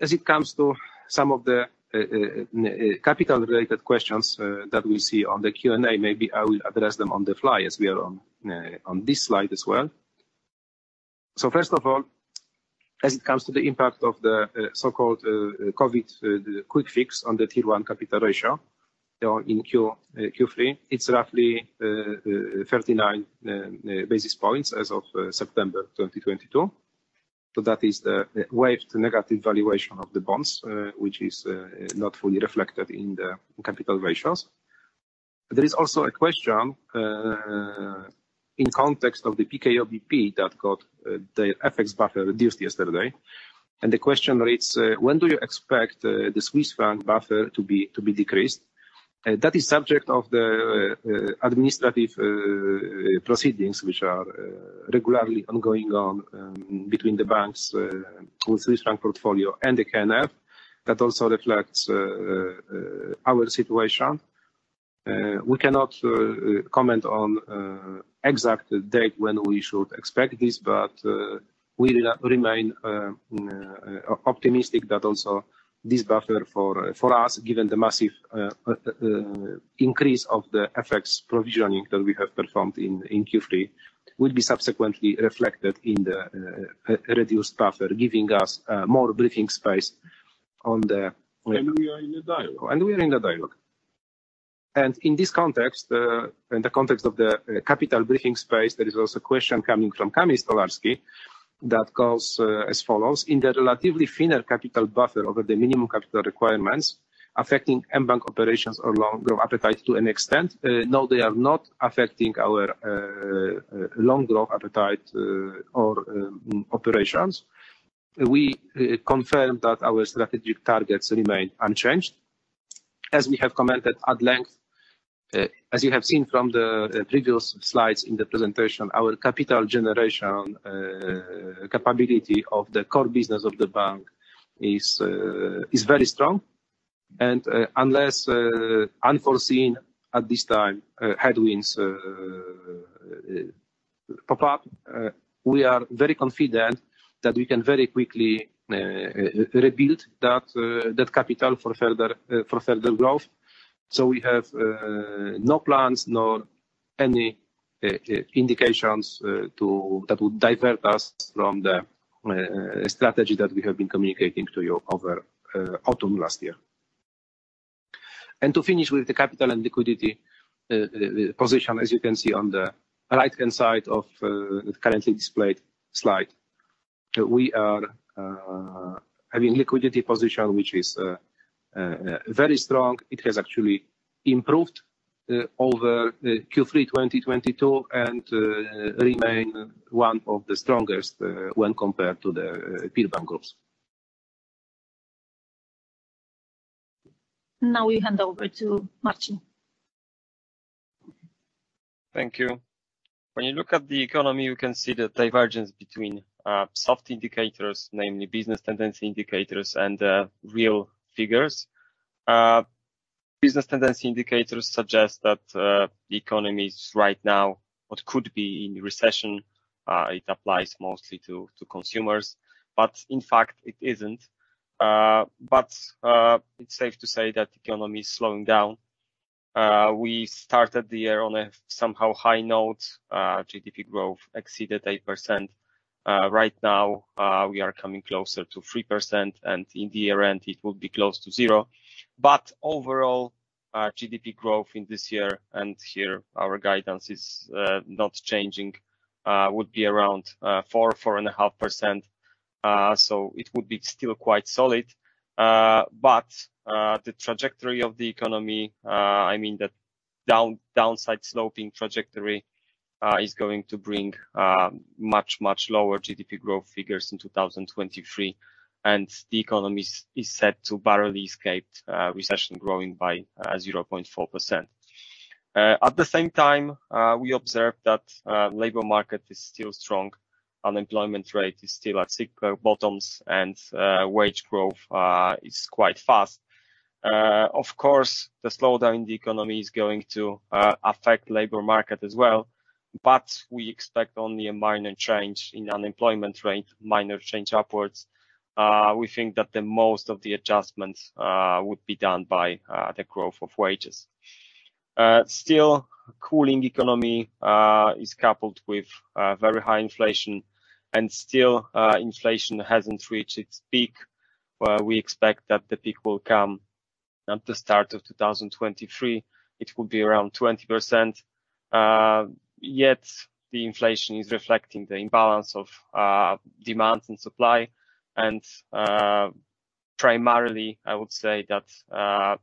As it comes to some of the capital-related questions that we see on the Q&A, maybe I will address them on the fly as we are on this slide as well. First of all, as it comes to the impact of the so-called COVID quick fix on the Tier 1 capital ratio in Q3, it is roughly 39 basis points as of September 2022. That is the waived negative valuation of the bonds, which is not fully reflected in the capital ratios. There is also a question in context of the PKO BP that got the FX buffer reduced yesterday. The question reads, when do you expect the Swiss franc buffer to be decreased? That is subject of the administrative proceedings, which are regularly ongoing between the banks with Swiss franc portfolio and the KNF. That also reflects our situation. We cannot comment on exact date when we should expect this, but we remain optimistic that also this buffer for us, given the massive increase of the FX provisioning that we have performed in Q3, will be subsequently reflected in the reduced buffer, giving us more breathing space on the. We are in a dialogue. We are in a dialogue. In this context, in the context of the capital breathing space, there is also a question coming from Kamil Stolarski that goes as follows: In the relatively thinner capital buffer over the minimum capital requirements affecting mBank operations or loan growth appetite to an extent. No, they are not affecting our loan growth appetite or operations. We confirm that our strategic targets remain unchanged. As we have commented at length, as you have seen from the previous slides in the presentation, our capital generation capability of the core business of the bank is very strong. Unless unforeseen at this time, headwinds pop up, we are very confident that we can very quickly rebuild that capital for further growth. We have no plans nor any indications that would divert us from the strategy that we have been communicating to you over autumn last year. To finish with the capital and liquidity position, as you can see on the right-hand side of the currently displayed slide. We are having liquidity position, which is very strong. It has actually improved over Q3 2022 and remain one of the strongest when compared to the peer bank groups. Now we hand over to Marcin. Thank you. When you look at the economy, you can see the divergence between soft indicators, namely business tendency indicators and real figures. Business tendency indicators suggest that the economy is right now what could be in recession. It applies mostly to consumers, but in fact, it isn't. It's safe to say that the economy is slowing down. We started the year on a somehow high note. GDP growth exceeded 8%. Right now, we are coming closer to 3%, and in the year-end, it will be close to zero. Overall, GDP growth in this year, and here our guidance is not changing, would be around 4%-4.5%, so it would be still quite solid. The trajectory of the economy, the downside sloping trajectory, is going to bring much, much lower GDP growth figures in 2023, and the economy is set to barely escape recession, growing by 0.4%. At the same time, we observed that labor market is still strong. Unemployment rate is still at cycle bottoms, and wage growth is quite fast. Of course, the slowdown in the economy is going to affect labor market as well. We expect only a minor change in unemployment rate, minor change upwards. We think that the most of the adjustments would be done by the growth of wages. Still, cooling economy is coupled with very high inflation, and still inflation hasn't reached its peak, where we expect that the peak will come at the start of 2023. It will be around 20%. Yet, the inflation is reflecting the imbalance of demand and supply, and primarily, I would say that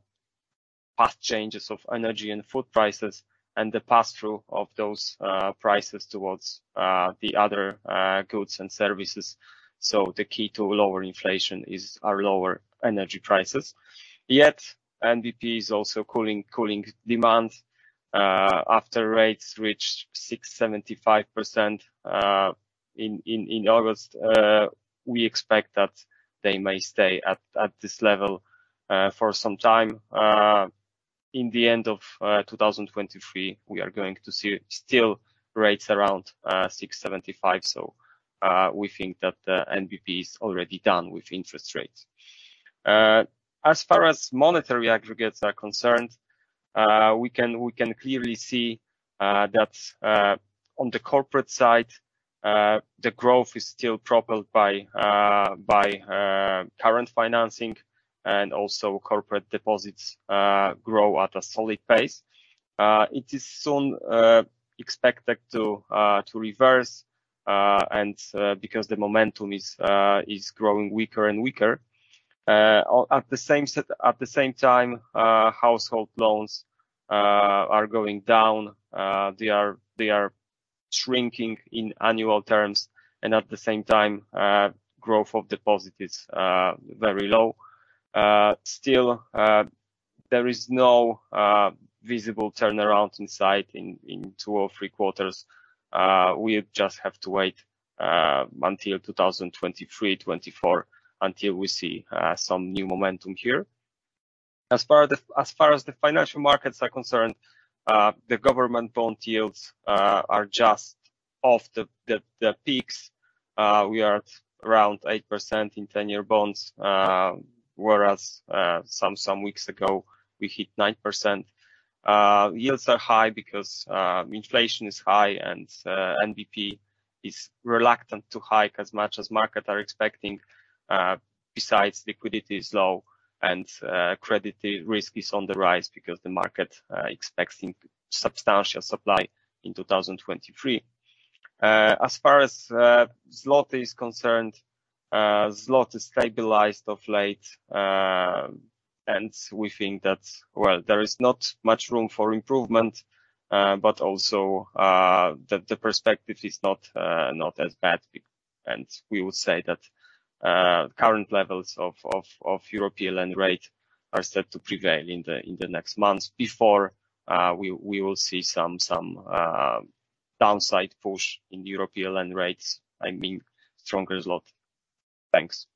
past changes of energy and food prices and the pass-through of those prices towards the other goods and services. The key to lower inflation is our lower energy prices. NBP is also cooling demand. After rates reach 6.75% in August, we expect that they may stay at this level for some time. In the end of 2023, we are going to see still rates around 6.75%, we think that the NBP is already done with interest rates. As far as monetary aggregates are concerned, we can clearly see that on the corporate side, the growth is still propelled by current financing, and also corporate deposits grow at a solid pace. It is soon expected to reverse, and because the momentum is growing weaker and weaker. At the same time, household loans are going down. They are shrinking in annual terms and at the same time, growth of deposit is very low. Still, there is no visible turnaround in sight in two or three quarters. We just have to wait until 2023, 2024 until we see some new momentum here. As far as the financial markets are concerned, the government bond yields are just off the peaks. We are around 8% in 10-year bonds, whereas some weeks ago, we hit 9%. Yields are high because inflation is high and NBP is reluctant to hike as much as market are expecting. Besides, liquidity is low and credit risk is on the rise because the market expecting substantial supply in 2023. As far as zloty is concerned, zloty stabilized of late. We think that, well, there is not much room for improvement, but also that the perspective is not as bad. We would say that current levels of EUR/PLN rate are set to prevail in the next months before we will see some downside push in EUR/PLN rates, stronger zloty. Thanks.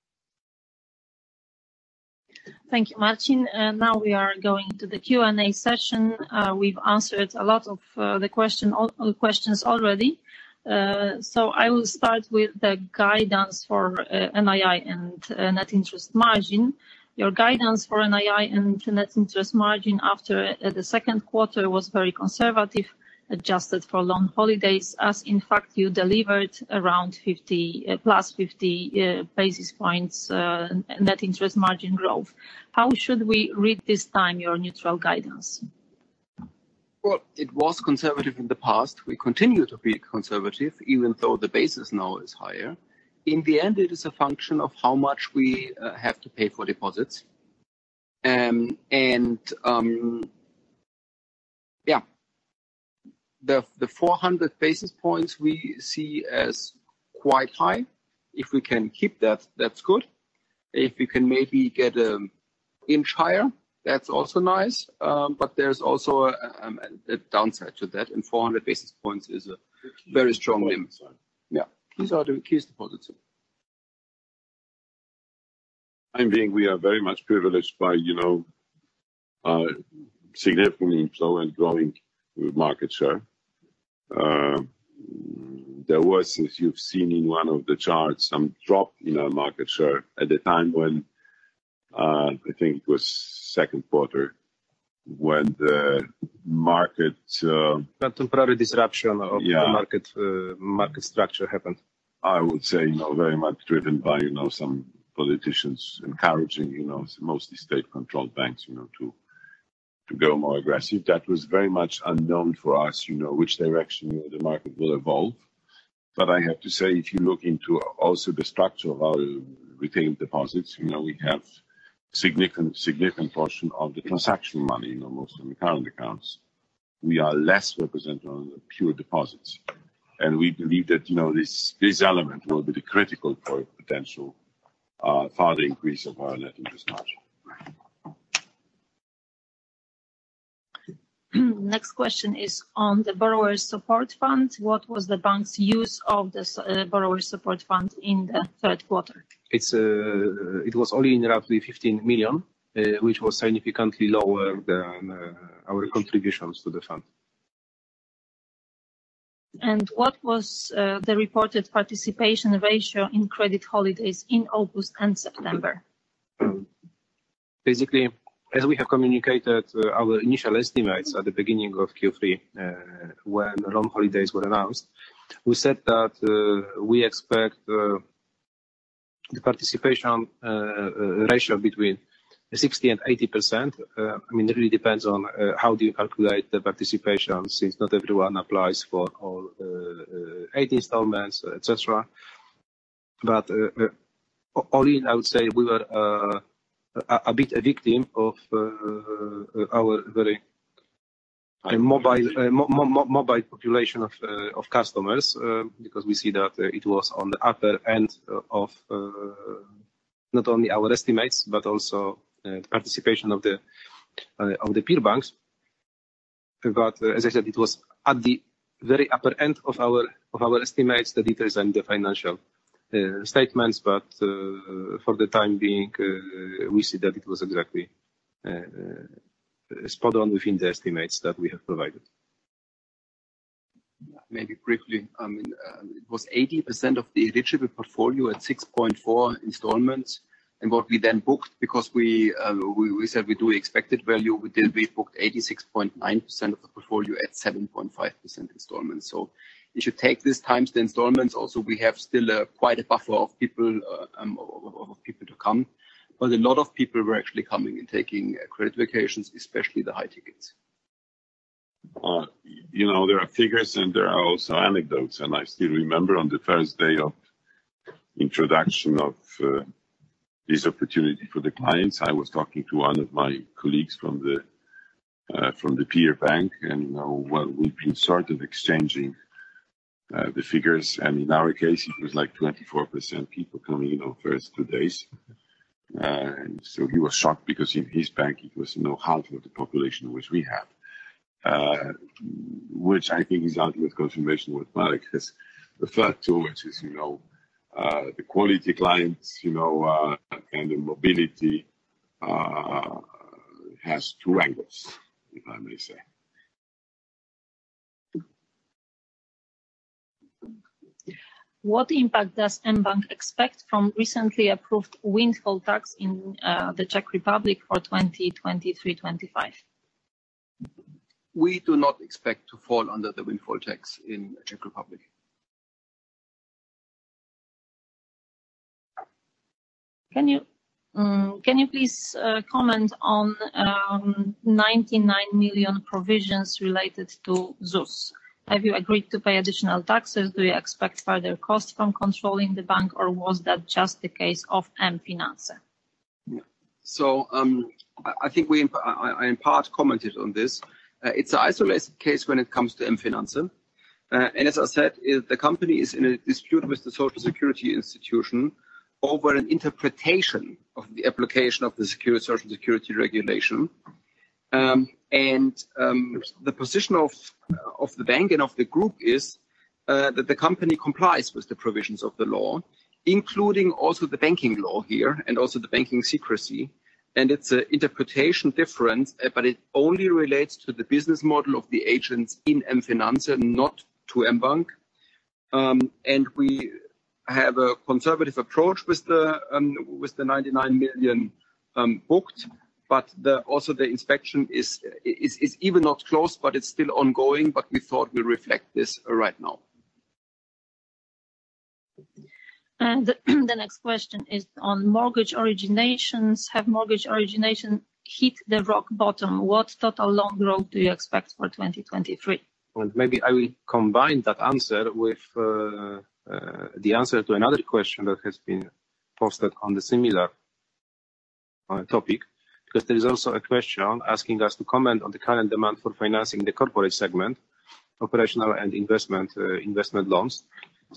Thank you, Marcin. Now we are going to the Q&A session. We've answered a lot of the questions already. I will start with the guidance for NII and net interest margin. Your guidance for NII and net interest margin after the second quarter was very conservative, adjusted for long holidays, as in fact, you delivered around +50 basis points net interest margin growth. How should we read this time your neutral guidance? Well, it was conservative in the past. We continue to be conservative, even though the basis now is higher. In the end, it is a function of how much we have to pay for deposits. Yeah. The 400 basis points we see as quite high. If we can keep that's good. If we can maybe get an inch higher, that's also nice. There's also a downside to that, 400 basis points is a very strong limit. Yeah. These are the keys deposits. Time being, we are very much privileged by significantly slow and growing markets here. There was, if you've seen in one of the charts, some drop in our market share at the time when, I think it was second quarter, when the market- That temporary disruption- Yeah of the market structure happened. I would say very much driven by some politicians encouraging, mostly state-controlled banks, to go more aggressive. That was very much unknown for us, which direction the market will evolve. I have to say, if you look into also the structure of our retained deposits, we have significant portion of the transaction money, mostly in accounted accounts. We are less represented on the pure deposits. We believe that this element will be critical for potential further increase of our net interest margin. Next question is on the borrower support fund. What was the bank's use of the borrower support fund in the third quarter? It was only roughly 15 million, which was significantly lower than our contributions to the fund. What was the reported participation ratio in credit holidays in August and September? As we have communicated our initial estimates at the beginning of Q3, when loan holidays were announced, we said that we expect the participation ratio between 60%-80%. It really depends on how you calculate the participation, since not everyone applies for all eight installments, et cetera. All in, I would say we were a bit a victim of our very mobile population of customers, because we see that it was on the upper end of not only our estimates, but also participation of the peer banks. As I said, it was at the very upper end of our estimates, the details, and the financial statements. For the time being, we see that it was exactly spot on within the estimates that we have provided. Maybe briefly. It was 80% of the eligible portfolio at 6.4 installments. What we then booked, because we said we do expected value, we booked 86.9% of the portfolio at 7.5 installments. You should take this times the installments. We have still quite a buffer of people to come, a lot of people were actually coming and taking credit vacations, especially the high tickets. There are figures and there are also anecdotes. I still remember on the first day of introduction of this opportunity for the clients, I was talking to one of my colleagues from the peer bank. We've been sort of exchanging the figures. In our case, it was like 24% people coming in on first two days. He was shocked because in his bank, it was half of the population which we have. Which I think is ultimate confirmation what Marek has referred to, which is the quality clients and the mobility has two angles, if I may say. What impact does mBank expect from recently approved windfall tax in the Czech Republic for 2023/25? We do not expect to fall under the windfall tax in Czech Republic. Can you please comment on 99 million provisions related to ZUS? Have you agreed to pay additional taxes? Do you expect further costs from controlling the bank, or was that just the case of mFinanse? I think I, in part, commented on this. It's an isolated case when it comes to mFinanse. As I said, the company is in a dispute with the Social Security institution over an interpretation of the application of the Social Security regulation. The position of the bank and of the group is that the company complies with the provisions of the law, including also the banking law here, and also the banking secrecy. It's an interpretation difference, but it only relates to the business model of the agents in mFinanse, not to mBank. We have a conservative approach with the 99 million booked, but also the inspection is even not closed, but it's still ongoing. We thought we reflect this right now. The next question is on mortgage originations. Have mortgage origination hit the rock bottom? What total loan growth do you expect for 2023? Maybe I will combine that answer with the answer to another question that has been posted on the similar topic. There is also a question asking us to comment on the current demand for financing the corporate segment, operational and investment loans.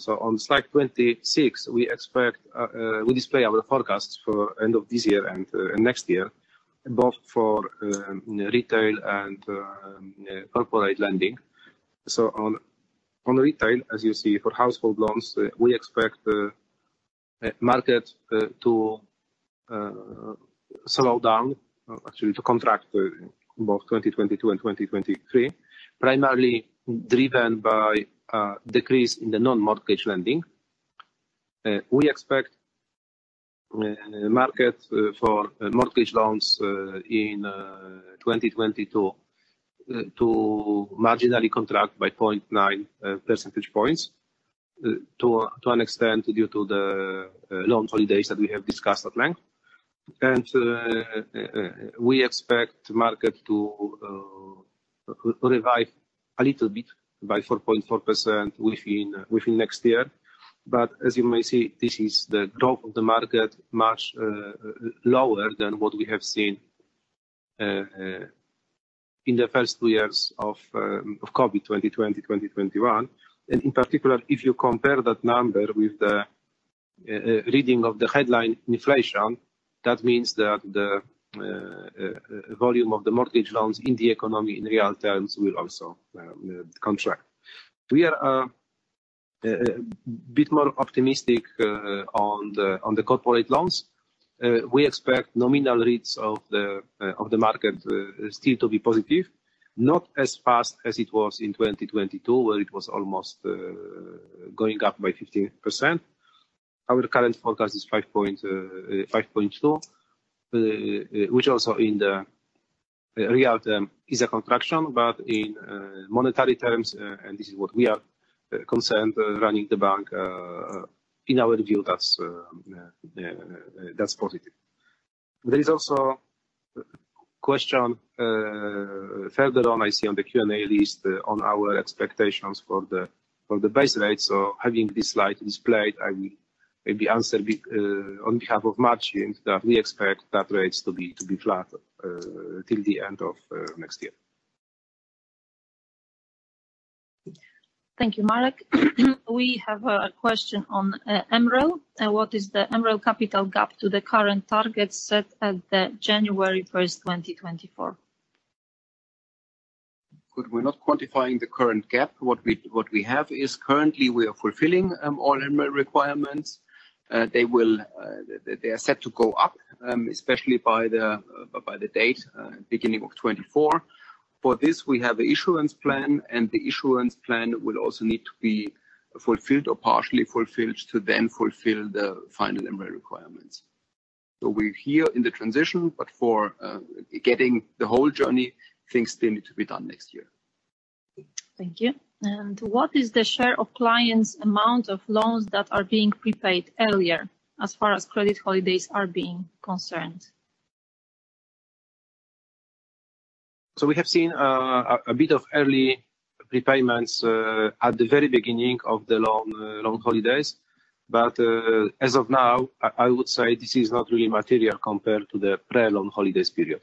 On slide 26, we display our forecasts for end of this year and next year, both for retail and corporate lending. On retail, as you see, for household loans, we expect market to slow down, actually to contract, both 2022 and 2023, primarily driven by a decrease in the non-mortgage lending. We expect market for mortgage loans in 2022 to marginally contract by 0.9 percentage points, to an extent due to the loan holidays that we have discussed at length. We expect market to revive a little bit, by 4.4%, within next year. As you may see, this is the growth of the market much lower than what we have seen in the first two years of COVID 2020, 2021. In particular, if you compare that number with the reading of the headline inflation, that means that the volume of the mortgage loans in the economy in real terms will also contract. We are a bit more optimistic on the corporate loans. We expect nominal rates of the market still to be positive, not as fast as it was in 2022, where it was almost going up by 15%. Our current forecast is 5.2%, which also in the real term is a contraction, but in monetary terms, and this is what we are concerned running the bank, in our view that's positive. There is also a question further on, I see on the Q&A list, on our expectations for the base rate. Having this slide displayed, I will maybe answer on behalf of Marcin, that we expect that rates to be flat till the end of next year. Thank you, Marek. We have a question on MREL. What is the MREL capital gap to the current target set at January 1st, 2024? We're not quantifying the current gap. What we have is currently we are fulfilling all MREL requirements. They are set to go up, especially by the date beginning of 2024. For this, we have a issuance plan, the issuance plan will also need to be fulfilled or partially fulfilled to then fulfill the final MREL requirements. We're here in the transition, but for getting the whole journey, things still need to be done next year. Thank you. What is the share of clients amount of loans that are being prepaid earlier as far as credit holidays are being concerned? We have seen a bit of early prepayments at the very beginning of the loan holidays. As of now, I would say this is not really material compared to the pre-loan holidays period.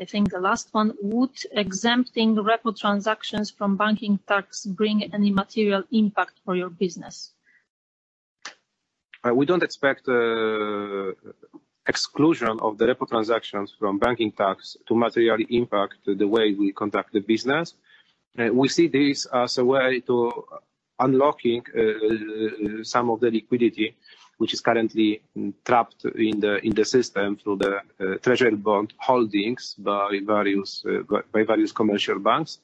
I think the last one: Would exempting repo transactions from banking tax bring any material impact for your business? We don't expect exclusion of the repo transactions from banking tax to materially impact the way we conduct the business. We see this as a way to unlocking some of the liquidity which is currently trapped in the system through the treasury bond holdings by various commercial banks.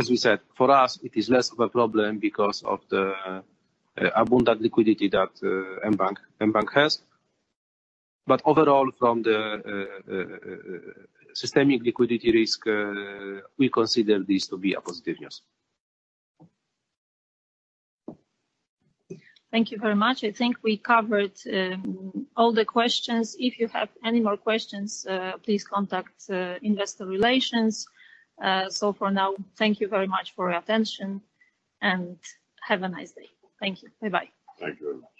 As we said, for us, it is less of a problem because of the abundant liquidity that mBank has. Overall, from the systemic liquidity risk, we consider this to be a positive news. Thank you very much. I think we covered all the questions. If you have any more questions, please contact investor relations. For now, thank you very much for your attention, and have a nice day. Thank you. Bye-bye. Thank you very much.